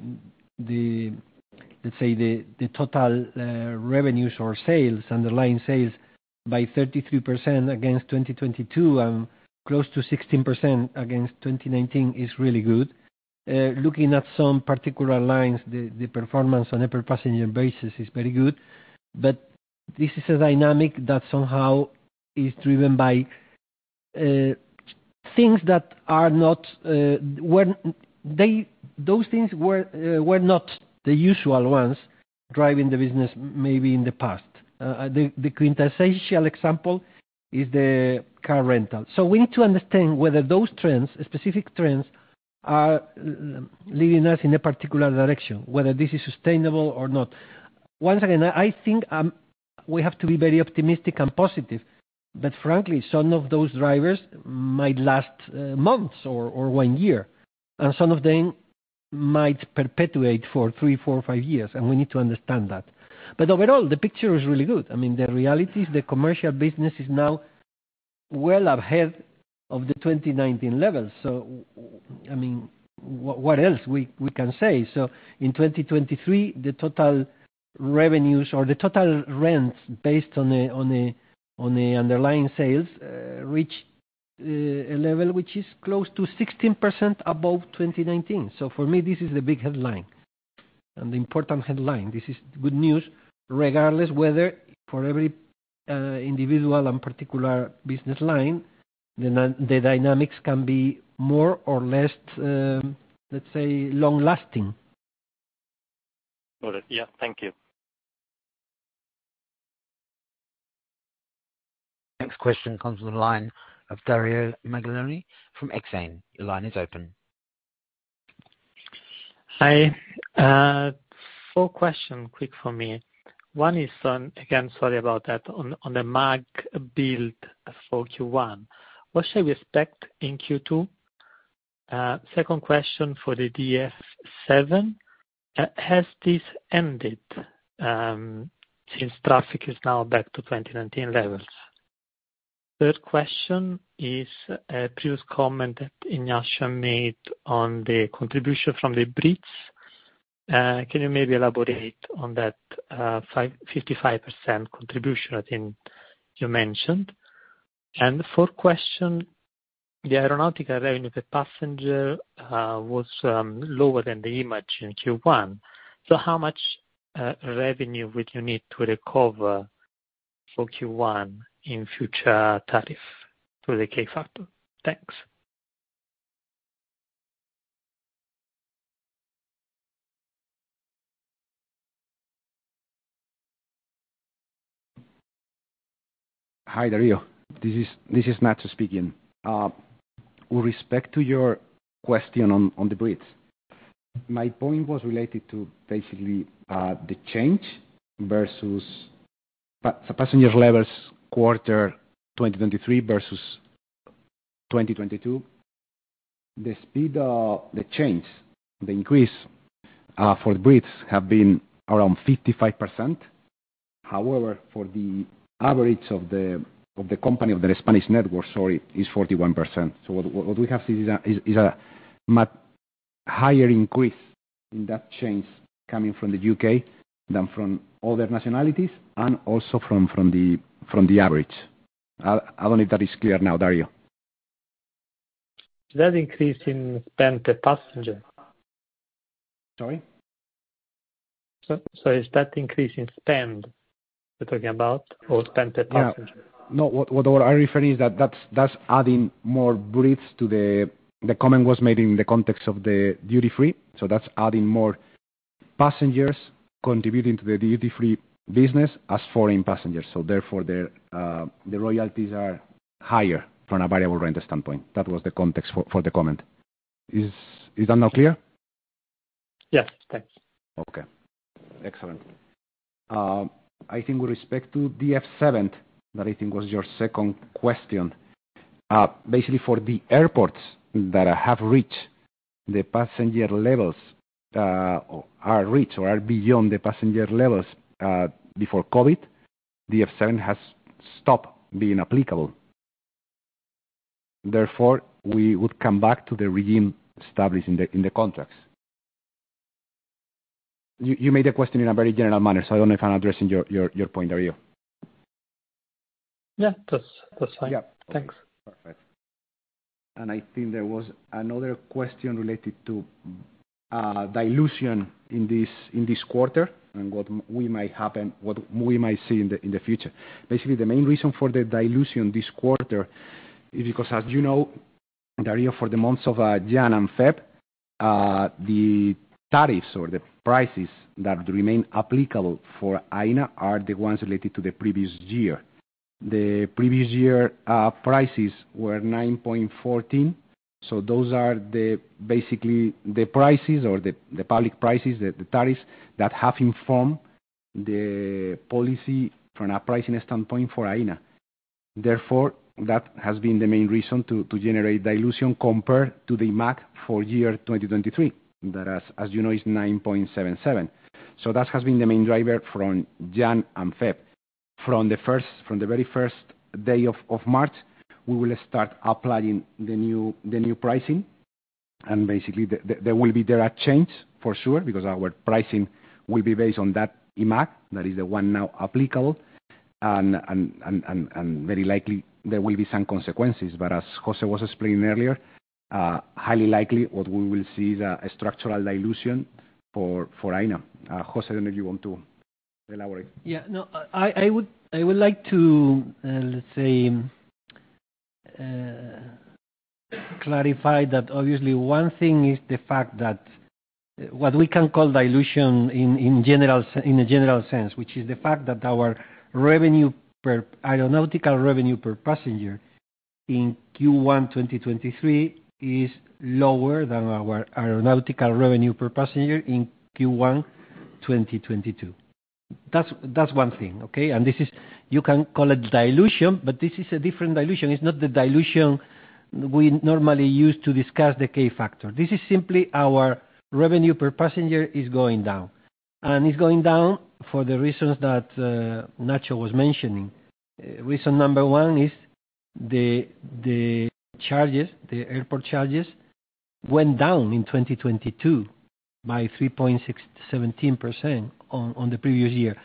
Let's say the total revenues or sales, underlying sales by 33% against 2022 and close to 16% against 2019 is really good. Looking at some particular lines, the performance on a per-passenger basis is very good. This is a dynamic that somehow is driven by things that are not. Those things were not the usual ones driving the business maybe in the past. The quintessential example is the car rental. We need to understand whether those trends, specific trends, are leading us in a particular direction, whether this is sustainable or not. Once again, I think, we have to be very optimistic and positive, but frankly, some of those drivers might last months or one year, and some of them might perpetuate for three, four, five years, and we need to understand that. Overall, the picture is really good. I mean, the reality is the commercial business is now well ahead of the 2019 levels. I mean, what else we can say? In 2023, the total revenues or the total rents based on the underlying sales reached a level which is close to 16% above 2019. For me, this is the big headline and the important headline. This is good news, regardless whether for every individual and particular business line, the dynamics can be more or less, let's say, long-lasting. Got it. Yeah. Thank you. Next question comes from the line of Dario Maglione from Exane BNP Paribas. Your line is open. Hi. four question quick from me. One is on, again, sorry about that, on the MAG build for Q1. What should we expect in Q2? Second question for the DF7, has this ended since traffic is now back to 2019 levels? Third question is a previous comment that Ignacio made on the contribution from the Brits. Can you maybe elaborate on that, 55% contribution I think you mentioned? Fourth question, the aeronautical revenue per passenger was lower than the IMAG in Q1. How much revenue would you need to recover for Q1 in future tariff through the K factor? Thanks. Hi, Dario. This is Nacho speaking. With respect to your question on the Brits, my point was related to basically the change versus the passenger levels quarter 2023 versus 2022. The speed of the change, the increase for the Brits have been around 55%. However, for the average of the company, of the Spanish network, sorry, it's 41%. What we have seen is a much higher increase in that change coming from the U.K. than from other nationalities and also from the average. I don't know if that is clear now, Dario. That increase in spend per passenger? Sorry? Is that increase in spend you're talking about or spend per passenger? No. What I refer is that's adding more Brits to the... The comment was made in the context of the duty-free, so that's adding more passengers contributing to the duty-free business as foreign passengers. Therefore their the royalties are higher from a variable rent standpoint. That was the context for the comment. Is that now clear? Yes. Thanks. Okay. Excellent. I think with respect to DF7, that I think was your second question, basically for the airports that have reached the passenger levels, are reached or are beyond the passenger levels, before COVID, DF7 has stopped being applicable. Therefore, we would come back to the regime established in the contracts. You made a question in a very general manner, so I don't know if I'm addressing your point, Dario. Yeah. That's fine. Yeah. Thanks. Perfect. I think there was another question related to dilution in this, in this quarter and what we might see in the future. Basically, the main reason for the dilution this quarter is because, as you know, Dario, for the months of January and February, the tariffs or the prices that remain applicable for Aena are the ones related to the previous year. The previous year, prices were 9.14, so those are basically the prices or the public prices, the tariffs that have informed the policy from a pricing standpoint for Aena. Therefore, that has been the main reason to generate dilution compared to the MAG for year 2023 that as you know, is 9.77. That has been the main driver from January and February. From the very first day of March, we will start applying the new, the new pricing, and basically there will be direct change for sure because our pricing will be based on that IMAG, that is the one now applicable, and very likely there will be some consequences. As José was explaining earlier, highly likely what we will see is a structural dilution for Aena. José, I don't know if you want to elaborate. Yeah, no, I would like to, let's say, clarify that obviously one thing is the fact that what we can call dilution in a general sense, which is the fact that our aeronautical revenue per passenger in Q1 2023 is lower than our aeronautical revenue per passenger in Q1 2022. That's one thing, okay. And this is. You can call it dilution, but this is a different dilution. It's not the dilution we normally use to discuss the K factor. This is simply our revenue per passenger is going down, and it's going down for the reasons that Nacho was mentioning. Reason number one is the charges, the airport charges went down in 2022 by 17% on the previous year.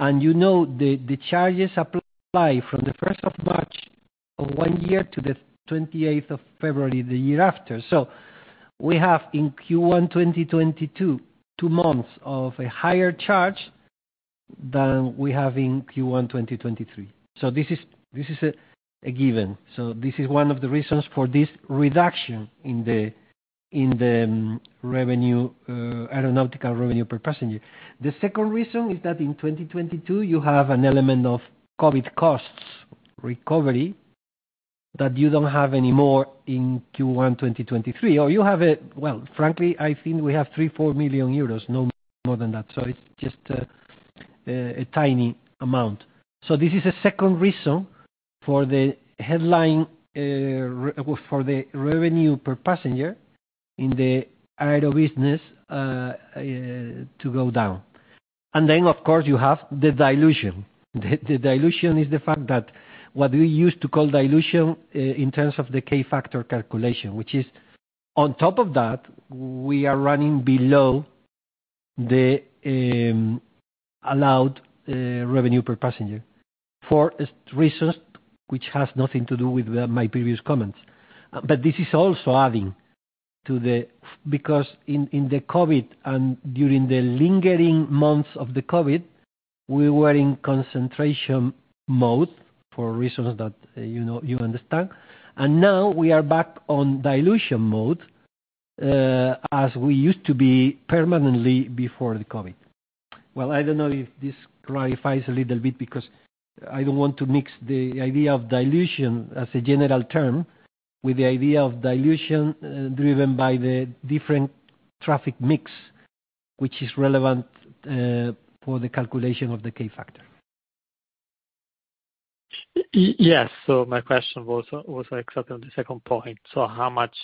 You know, the charges apply from March 1st of one year to February 28th the year after. We have in Q1 2022, two months of a higher charge than we have in Q1 2023. This is a given. This is one of the reasons for this reduction in the revenue, aeronautical revenue per passenger. The second reason is that in 2022, you have an element of COVID costs recovery that you don't have any more in Q1 2023, or you have a... Well, frankly, I think we have 3 million, 4 million euros, no more than that. It's just a tiny amount. This is a second reason for the headline, for the revenue per passenger in the aero business to go down. Of course, you have the dilution. The dilution is the fact that what we used to call dilution in terms of the K-factor calculation, which is on top of that, we are running below the allowed revenue per passenger for reasons which has nothing to do with my previous comments. This is also adding to the. Because in the COVID and during the lingering months of the COVID, we were in concentration mode for reasons that, you know, you understand. Now we are back on dilution mode as we used to be permanently before the COVID. Well, I don't know if this clarifies a little bit because I don't want to mix the idea of dilution as a general term with the idea of dilution, driven by the different traffic mix, which is relevant, for the calculation of the K-factor. Yes. My question was exactly on the second point. How much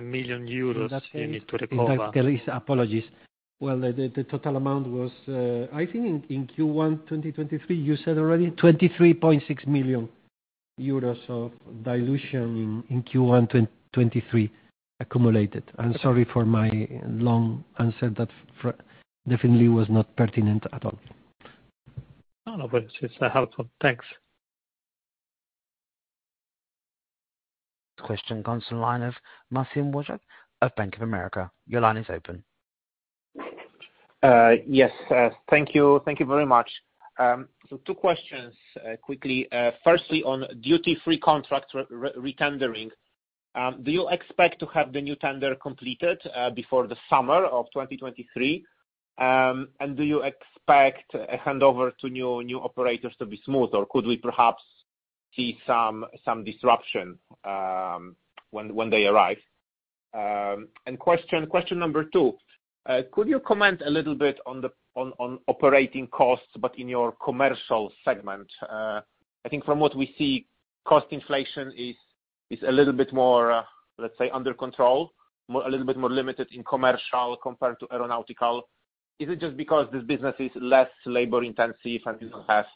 million euro you need to recover? In fact, there is. Apologies. Well, the total amount was, I think in Q1 2023, you said already 23.6 million euros of dilution in Q1 2023 accumulated. I'm sorry for my long answer that definitely was not pertinent at all. No, but it's helpful. Thanks. Question comes from the line of Marcin Wojtal of Bank of America. Your line is open. Yes. Thank you. Thank you very much. Two questions quickly. Firstly, on duty-free contract retendering, do you expect to have the new tender completed before the summer of 2023? Do you expect a handover to new operators to be smooth, or could we perhaps see some disruption when they arrive? Question number two, could you comment a little bit on the operating costs, but in your commercial segment? I think from what we see, cost inflation is a little bit more, let's say, under control, a little bit more limited in commercial compared to aeronautical. Is it just because this business is less labor-intensive and doesn't have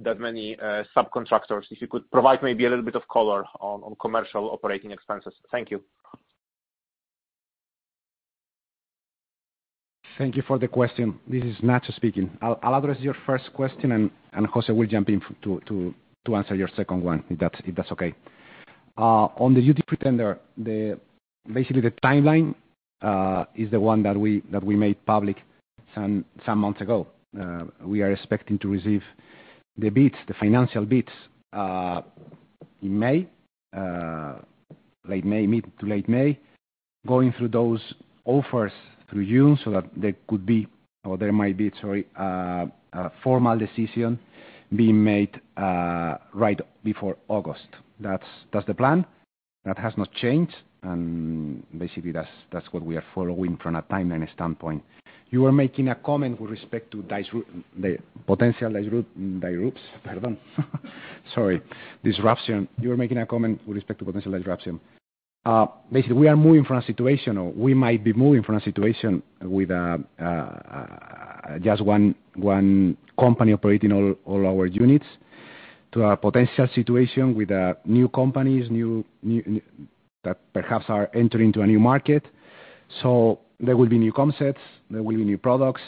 that many subcontractors? If you could provide maybe a little bit of color on commercial operating expenses. Thank you. Thank you for the question. This is Nacho speaking. I'll address your first question, and José will jump in to answer your second one, if that's okay. On the duty-free tender, basically the timeline is the one that we made public some months ago. We are expecting to receive the bids, the financial bids, in May, late May, mid to late May, going through those offers through June so that there could be or there might be, sorry, a formal decision being made right before August. That's the plan. That has not changed. Basically, that's what we are following from a timeline standpoint. You were making a comment with respect to potential disruption. Basically, we are moving from a situation or we might be moving from a situation with just one company operating all our units to a potential situation with new companies that perhaps are entering to a new market. There will be new concepts, there will be new products.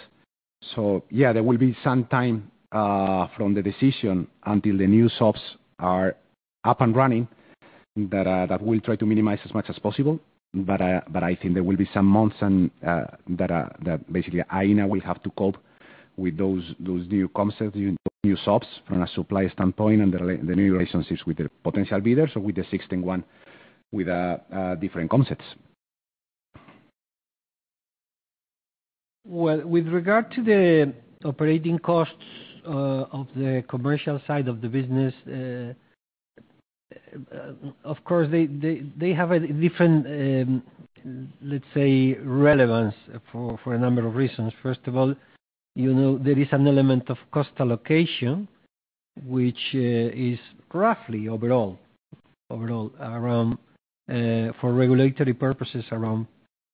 Yeah, there will be some time from the decision until the new shops are up and running that we'll try to minimize as much as possible. But I think there will be some months and that basically, Aena will have to cope with those new concepts, new shops from a supply standpoint and the new relationships with the potential bidders or with the existing one with different concepts. Well, with regard to the operating costs of the commercial side of the business, of course, they have a different, let's say, relevance for a number of reasons. First of all, you know, there is an element of cost allocation, which is roughly overall around for regulatory purposes, around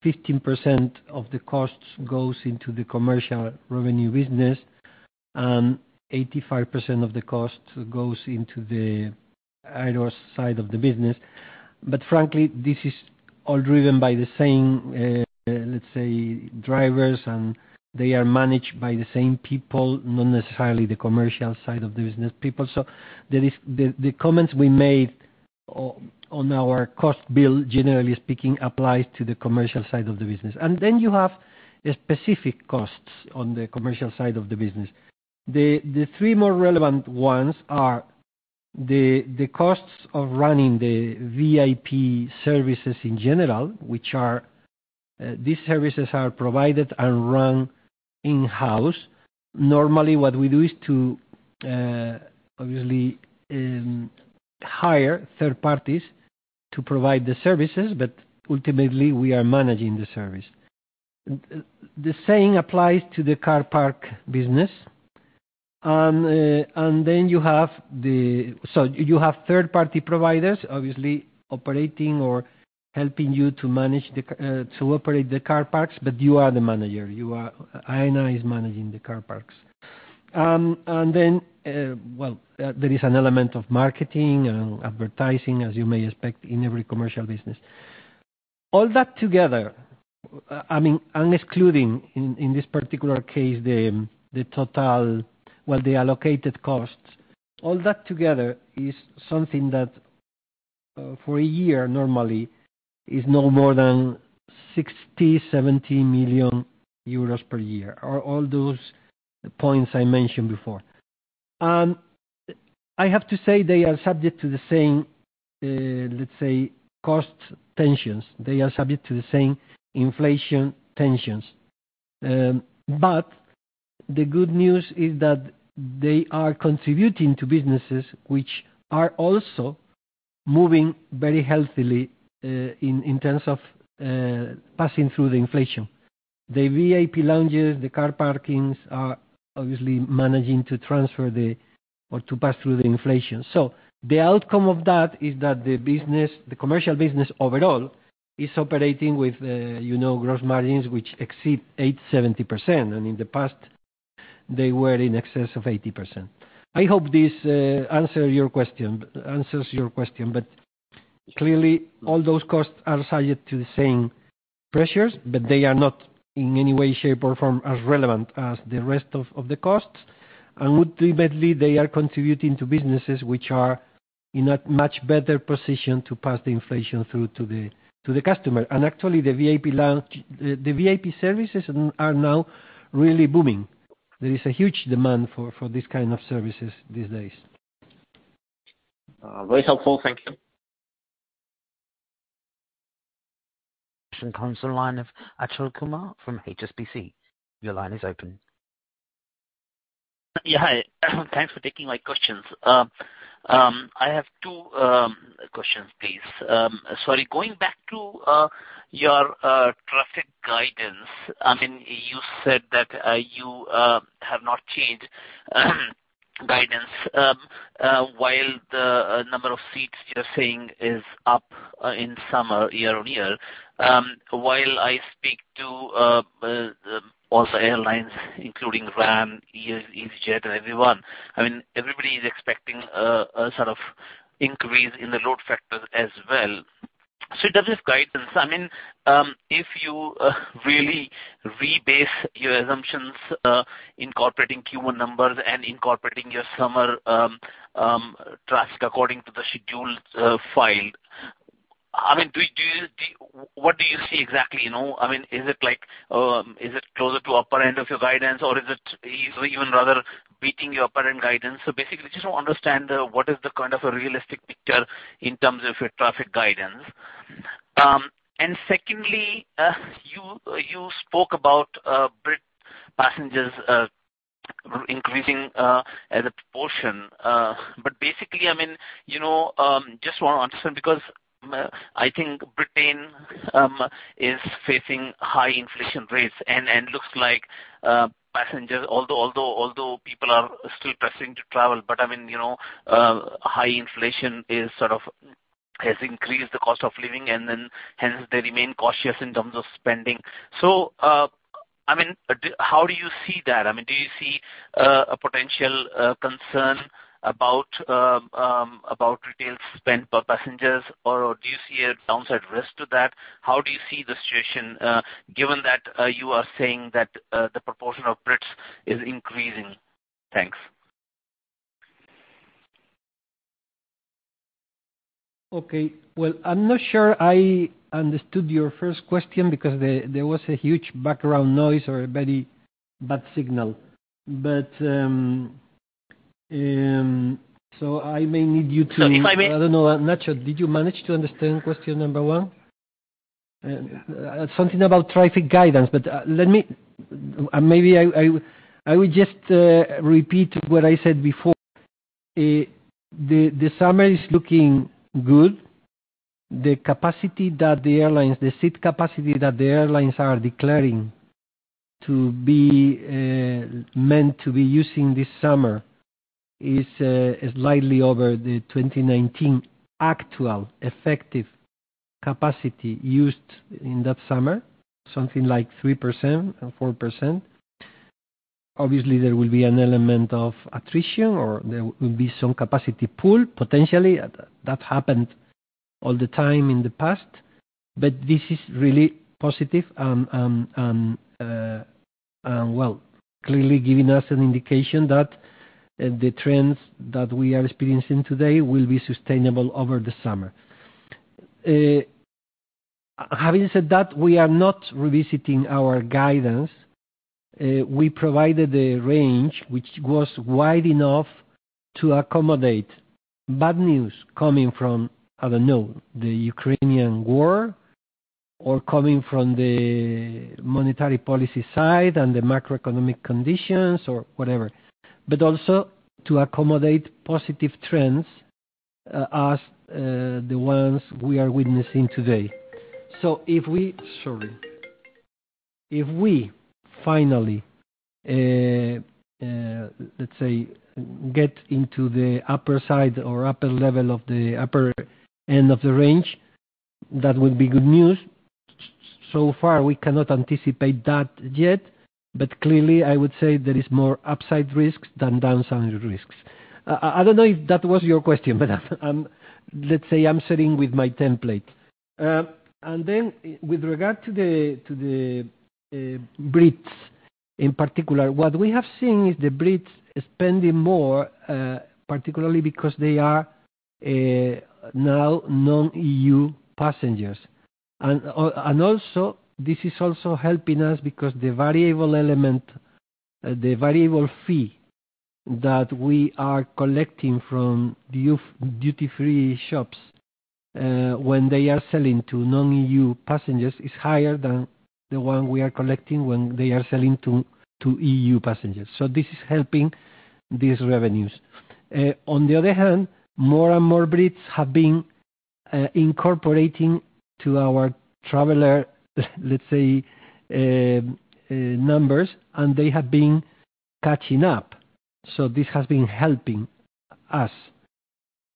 15% of the cost goes into the commercial revenue business, and 85% of the cost goes into the aero side of the business. Frankly, this is all driven by the same, let's say, drivers, and they are managed by the same people, not necessarily the commercial side of the business people. The comments we made on our cost bill, generally speaking, applies to the commercial side of the business. Then you have specific costs on the commercial side of the business. The three more relevant ones are the costs of running the VIP services in general, which are. These services are provided and run in-house. Normally, what we do is to obviously hire third parties to provide the services, but ultimately we are managing the service. The same applies to the car park business. Then you have the. You have third-party providers obviously operating or helping you to operate the car parks, but you are the manager. Aena is managing the car parks. Well, there is an element of marketing and advertising, as you may expect in every commercial business. All that together, I mean, and excluding in this particular case the total. Well, the allocated costs, all that together is something that for a year normally is no more than 60 million-70 million euros per year. Are all those points I mentioned before. I have to say they are subject to the same, let's say, cost tensions. They are subject to the same inflation tensions. The good news is that they are contributing to businesses which are also moving very healthily in terms of passing through the inflation. The VIP lounges, the car parkings are obviously managing to pass through the inflation. The outcome of that is that the business, the commercial business overall is operating with, you know, gross margins which exceed 80%-70%, and in the past, they were in excess of 80%. I hope this answers your question. Clearly all those costs are subject to the same pressures, but they are not in any way, shape, or form as relevant as the rest of the costs. Ultimately, they are contributing to businesses which are in a much better position to pass the inflation through to the customer. Actually, the VIP services are now really booming. There is a huge demand for these kind of services these days. Very helpful. Thank you. Question comes on line of Achal Kumar from HSBC. Your line is open. Yeah. Hi. Thanks for taking my questions. I have two questions, please. Sorry, going back to your traffic guidance. I mean, you said that you have not changed guidance while the number of seats you're saying is up in summer year-on-year. While I speak to also airlines including RAM, easyJet, and everyone, I mean, everybody is expecting a sort of increase in the load factors as well. In terms of guidance, I mean, if you really rebase your assumptions, incorporating Q1 numbers and incorporating your summer traffic according to the schedules filed, I mean, what do you see exactly, you know? I mean, is it like, is it closer to upper end of your guidance or is it easily even rather beating your upper end guidance? Basically, I just want to understand what is the kind of a realistic picture in terms of your traffic guidance. Secondly, you spoke about Brit passengers increasing as a proportion. Basically, I mean, you know, just wanna understand because I think Britain is facing high inflation rates and looks like passengers, although people are still pressing to travel, but I mean, you know, high inflation has increased the cost of living, and then hence they remain cautious in terms of spending. I mean, how do you see that? I mean, do you see a potential concern about retail spend per passengers or do you see a downside risk to that? How do you see the situation, given that you are saying that the proportion of Brits is increasing? Thanks. Okay. Well, I'm not sure I understood your first question because there was a huge background noise or a very bad signal. I may need you. Sorry if I may. I don't know. Nacho, did you manage to understand question number one? Something about traffic guidance. Let me Maybe I will just repeat what I said before. The summer is looking good. The capacity that The seat capacity that the airlines are declaring to be meant to be using this summer is slightly over the 2019 actual effective capacity used in that summer, something like 3% or 4%. Obviously, there will be an element of attrition or there will be some capacity pool potentially. That happened all the time in the past. This is really positive, and well, clearly giving us an indication that the trends that we are experiencing today will be sustainable over the summer. Having said that, we are not revisiting our guidance. We provided a range which was wide enough to accommodate bad news coming from, I don't know, the Ukrainian War or coming from the monetary policy side and the macroeconomic conditions or whatever, but also to accommodate positive trends, as the ones we are witnessing today. Sorry. If we finally, let's say, get into the upper side or upper level of the upper end of the range, that would be good news. Far, we cannot anticipate that yet, but clearly, I would say there is more upside risks than downside risks. I don't know if that was your question, but let's say I'm sitting with my template. With regard to the Brits in particular, what we have seen is the Brits spending more, particularly because they are now non-EU passengers. Also, this is also helping us because the variable element, the variable fee that we are collecting from duty-free shops, when they are selling to non-EU passengers is higher than the one we are collecting when they are selling to EU passengers. This is helping these revenues. On the other hand, more and more Brits have been incorporating to our traveler, let's say, numbers, and they have been catching up. This has been helping us.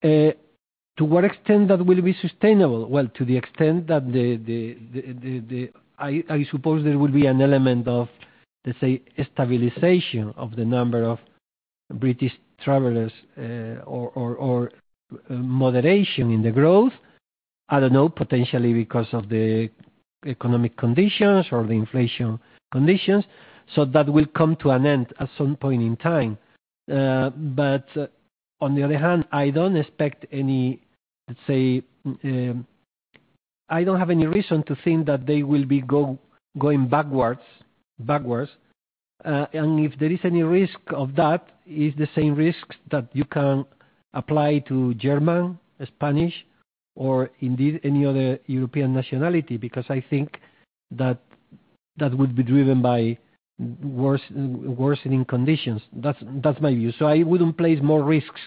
To what extent that will be sustainable? Well, to the extent that I suppose there will be an element of, let's say, stabilization of the number of British travelers, or moderation in the growth. I don't know, potentially because of the economic conditions or the inflation conditions. That will come to an end at some point in time. On the other hand, I don't expect any, let's say, I don't have any reason to think that they will be going backwards. If there is any risk of that, it's the same risks that you can apply to German, Spanish, or indeed any other European nationality, because I think that that would be driven by worsening conditions. That's my view. I wouldn't place more risks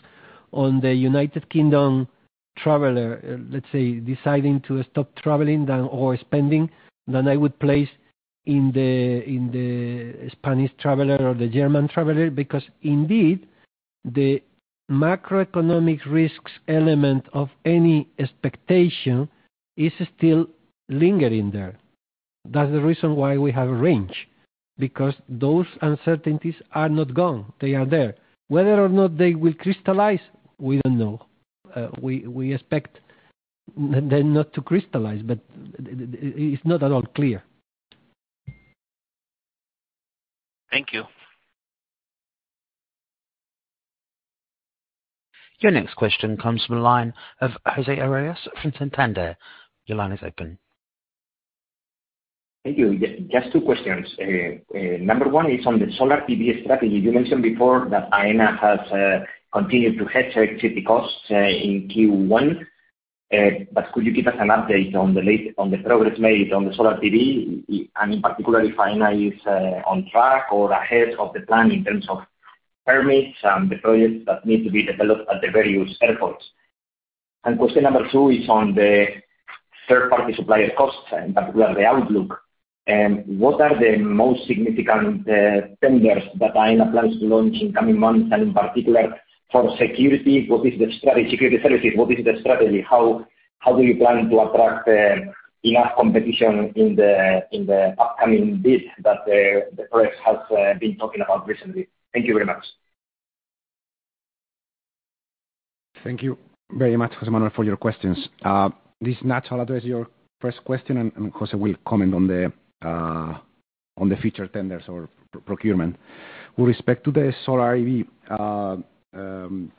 on the United Kingdom traveler, let's say, deciding to stop traveling than, or spending, than I would place in the Spanish traveler or the German traveler because, indeed, the macroeconomic risks element of any expectation is still lingering there. That's the reason why we have a range, because those uncertainties are not gone. They are there. Whether or not they will crystallize, we don't know. We expect them not to crystallize, but it's not at all clear. Thank you. Your next question comes from the line of José Arroyas from Banco Santander. Your line is open. Thank you. Just two questions. Number one is on the Solar PV strategy. You mentioned before that Aena has continued to hedge energy costs in Q1. Could you give us an update on the progress made on the Solar PV, and in particular, if Aena is on track or ahead of the plan in terms of permits and the projects that need to be developed at the various airports? Question number two is on the third-party supplier costs, in particular, the outlook. What are the most significant tenders that Aena plans to launch in coming months? In particular, for security, what is the security services strategy? How do you plan to attract enough competition in the upcoming bids that the press has been talking about recently? Thank you very much. Thank you very much, José Arroyas, for your questions. This is Nacho, I'll address your first question, and José will comment on the future tenders or procurement. With respect to the solar PV,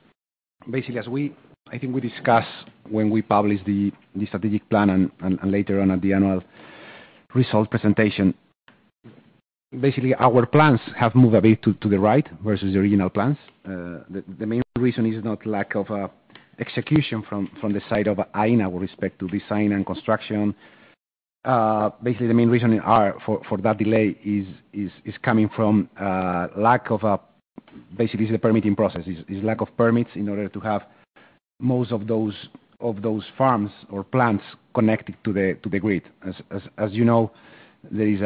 basically, I think we discussed when we published the strategic plan and later on at the annual result presentation, basically our plans have moved a bit to the right versus the original plans. The main reason is not lack of execution from the side of Aena with respect to design and construction. Basically, the main reason for that delay is coming from. Basically, it's the permitting process. Is lack of permits in order to have most of those farms or plants connected to the grid. As you know, there is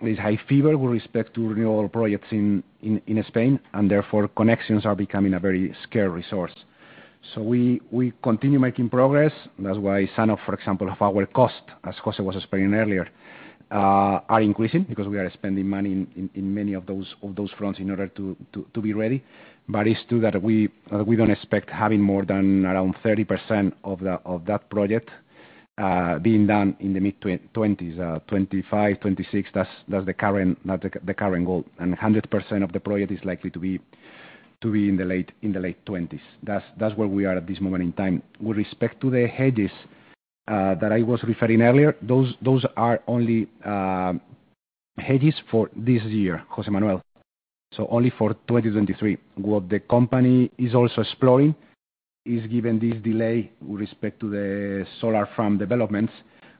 high fever with respect to renewable projects in Spain, therefore, connections are becoming a very scarce resource. We continue making progress. That's why sign-up, for example, of our cost, as José was explaining earlier, are increasing because we are spending money in many of those fronts in order to be ready. It's true that we don't expect having more than around 30% of that project, being done in the mid-2020s, 2025, 2026. That's the current, that's the current goal. 100% of the project is likely to be To be in the late 2020s. That's where we are at this moment in time. With respect to the hedges that I was referring earlier, those are only hedges for this year, José Arroyas. Only for 2023. What the company is also exploring is given this delay with respect to the solar farm developments,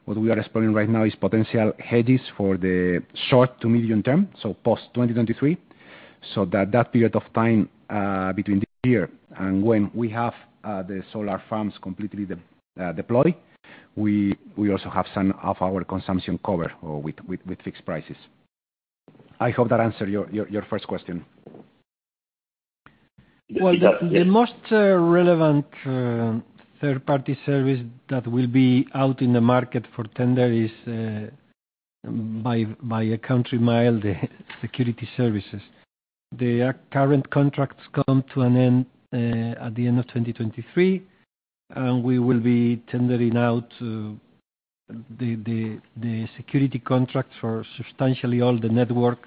what we are exploring right now is potential hedges for the short to medium term, post 2023, so that period of time between this year and when we have the solar farms completely deployed, we also have some of our consumption covered or with fixed prices. I hope that answered your first question. Well, the most relevant third-party service that will be out in the market for tender is by Aena security services. The current contracts come to an end at the end of 2023. We will be tendering out to the security contracts for substantially all the network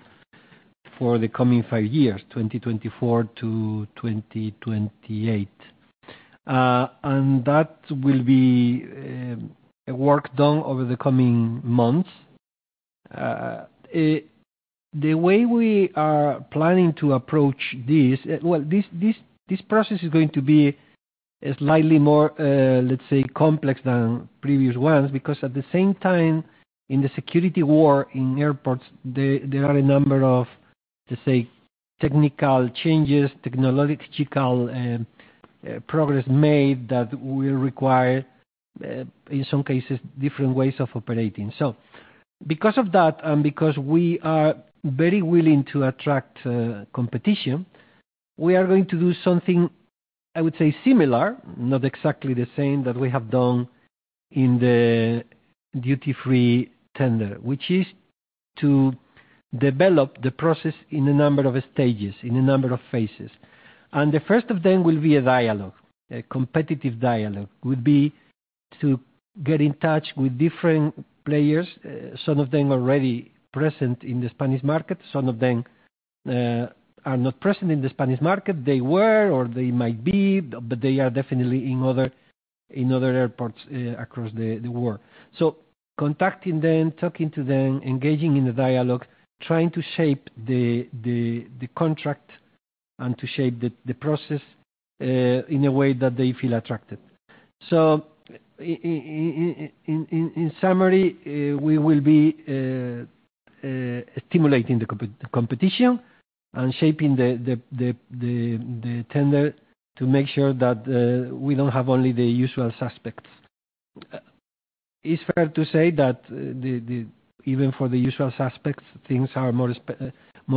for the coming 5 years, 2024 to 2028. That will be work done over the coming months. Well, the way we are planning to approach this process is going to be slightly more, let's say, complex than previous ones, because at the same time, in the security war in airports, there are a number of, let's say, technical changes, technological progress made that will require in some cases, different ways of operating. Because of that, and because we are very willing to attract competition, we are going to do something, I would say similar, not exactly the same, that we have done in the duty-free tender, which is to develop the process in a number of stages, in a number of phases. The first of them will be a dialogue. A competitive dialogue would be to get in touch with different players, some of them already present in the Spanish market, some of them are not present in the Spanish market. They were, or they might be, but they are definitely in other, in other airports across the world. Contacting them, talking to them, engaging in a dialogue, trying to shape the contract and to shape the process in a way that they feel attracted. In summary, we will be stimulating the competition and shaping the tender to make sure that we don't have only the usual suspects. It's fair to say that the even for the usual suspects, things are more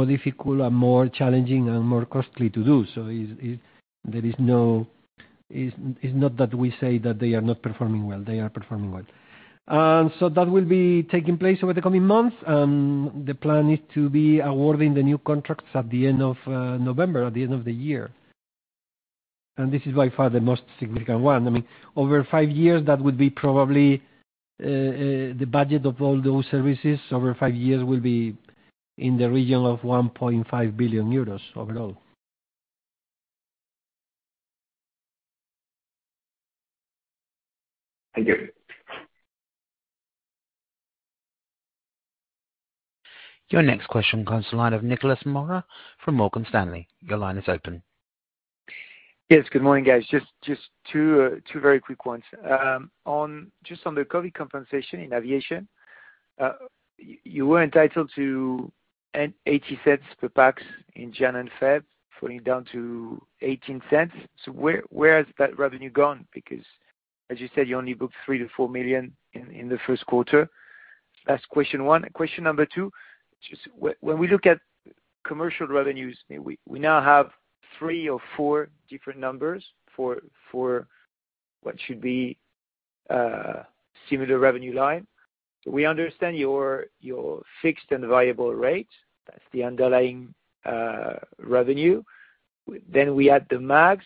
difficult and more challenging and more costly to do. There is no. It's not that we say that they are not performing well, they are performing well. That will be taking place over the coming months, and the plan is to be awarding the new contracts at the end of November, at the end of the year. This is by far the most significant one. I mean, over five years, that would be probably, the budget of all those services over five years will be in the region of 1.5 billion euros overall. Thank you. Your next question comes to the line of Nicolas Mora from Morgan Stanley. Your line is open. Yes, good morning, guys. Just two very quick ones. Just on the COVID compensation in aviation, you were entitled to 0.80 per pax in January and February, falling down to 0.18. Where has that revenue gone? Because as you said, you only booked 3 million-4 million in the first quarter. That's question one. Question number two, just when we look at commercial revenues, we now have three or four different numbers for what should be a similar revenue line. We understand your fixed and variable rates. That's the underlying revenue. We add the MAGs.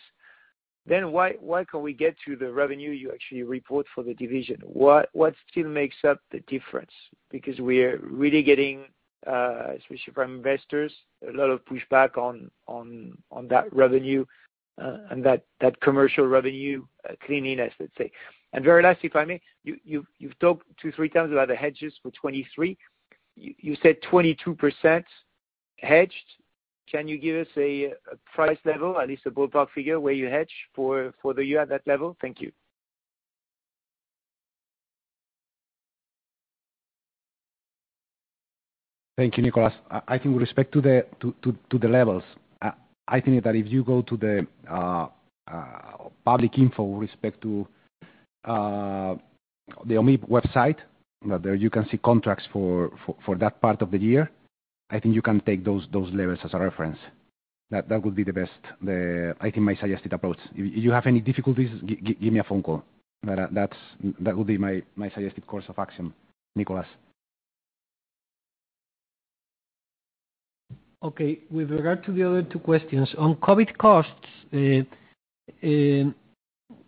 Why can we get to the revenue you actually report for the division? What still makes up the difference? We are really getting, especially from investors, a lot of pushback on that revenue and that commercial revenue cleaning, let's say. Very last, if I may, you've talked 2x, 3x about the hedges for 2023. You said 22% hedged. Can you give us a price level, at least a ballpark figure where you hedge for the year at that level? Thank you. Thank you, Nicolas. I think with respect to the levels, I think that if you go to the public info with respect to the OMIP website, you know, there you can see contracts for that part of the year. I think you can take those levels as a reference. That would be the best. I think my suggested approach. If you have any difficulties, give me a phone call. That would be my suggested course of action, Nicolas. Okay, with regard to the other two questions, on COVID costs,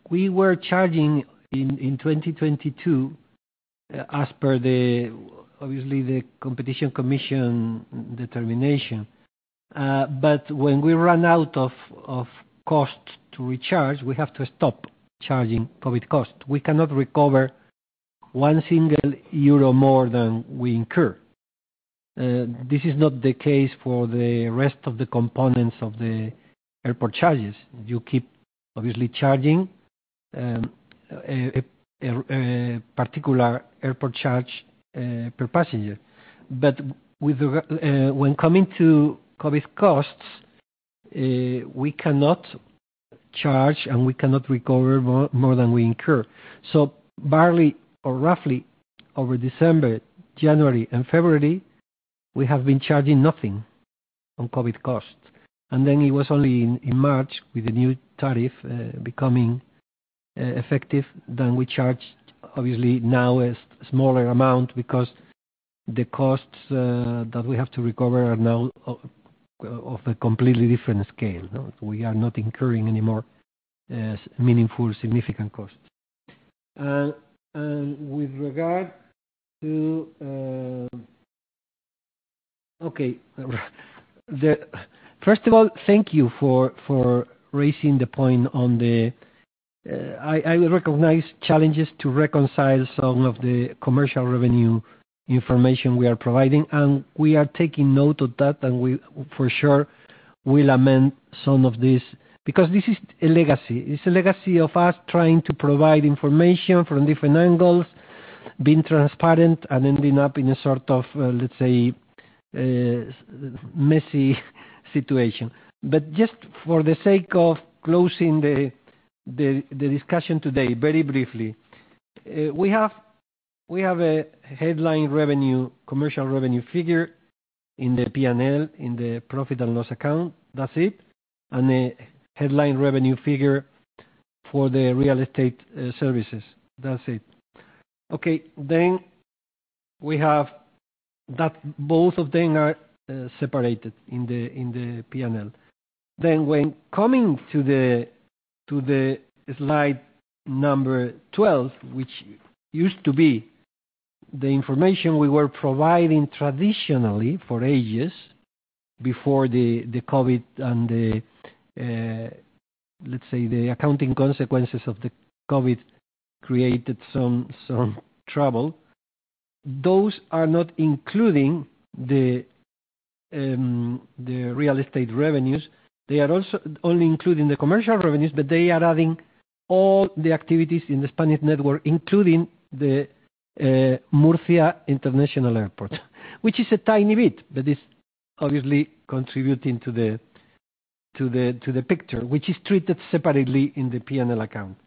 we were charging in 2022, as per the obviously the competition commission determination. When we run out of cost to recharge, we have to stop charging COVID cost. We cannot recover 1 single euro more than we incur. This is not the case for the rest of the components of the airport charges. You keep obviously charging a particular airport charge per passenger. When coming to COVID costs, we cannot charge and we cannot recover more than we incur. Barely or roughly over December, January and February, we have been charging nothing on COVID costs. Then it was only in March with the new tariff, becoming effective, then we charged obviously now a smaller amount because the costs that we have to recover are now of a completely different scale. We are not incurring any more meaningful, significant costs. Okay. First of all, thank you for raising the point on the. I recognize challenges to reconcile some of the commercial revenue information we are providing, and we are taking note of that, and we for sure will amend some of this because this is a legacy. It's a legacy of us trying to provide information from different angles, being transparent and ending up in a sort of, let's say, messy situation. Just for the sake of closing the discussion today, very briefly, we have a headline revenue, commercial revenue figure in the P&L, in the profit and loss account. That's it. A headline revenue figure for the real estate services. That's it. We have that both of them are separated in the P&L. When coming to the slide number 12, which used to be the information we were providing traditionally for ages before the COVID and the, let's say, the accounting consequences of the COVID created some trouble, those are not including the real estate revenues. They are also only including the commercial revenues, but they are adding all the activities in the Spanish network, including the Murcia International Airport, which is a tiny bit, but it's obviously contributing to the picture, which is treated separately in the P&L account.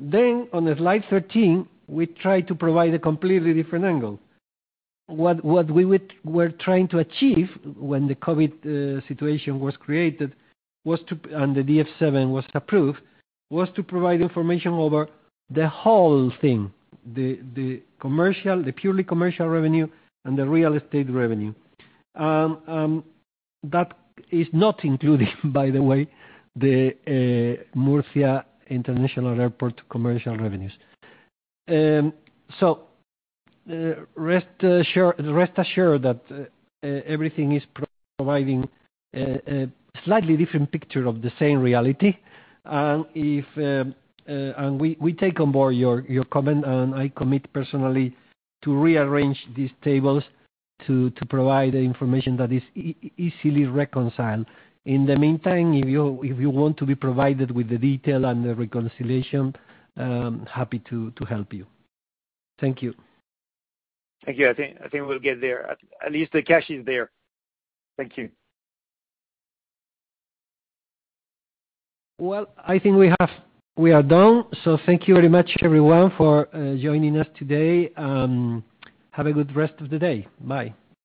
On slide 13, we try to provide a completely different angle. What we were trying to achieve when the COVID situation was created was and the DF7 was approved, was to provide information over the whole thing, the commercial, the purely commercial revenue and the real estate revenue. That is not including, by the way, the Murcia International Airport commercial revenues. Rest assured that everything is providing a slightly different picture of the same reality. If we take on board your comment, and I commit personally to rearrange these tables to provide the information that is easily reconciled. In the meantime, if you want to be provided with the detail and the reconciliation, I'm happy to help you. Thank you. Thank you. I think we'll get there. At least the cash is there. Thank you. Well, I think we are done. Thank you very much everyone for joining us today. Have a good rest of the day. Bye.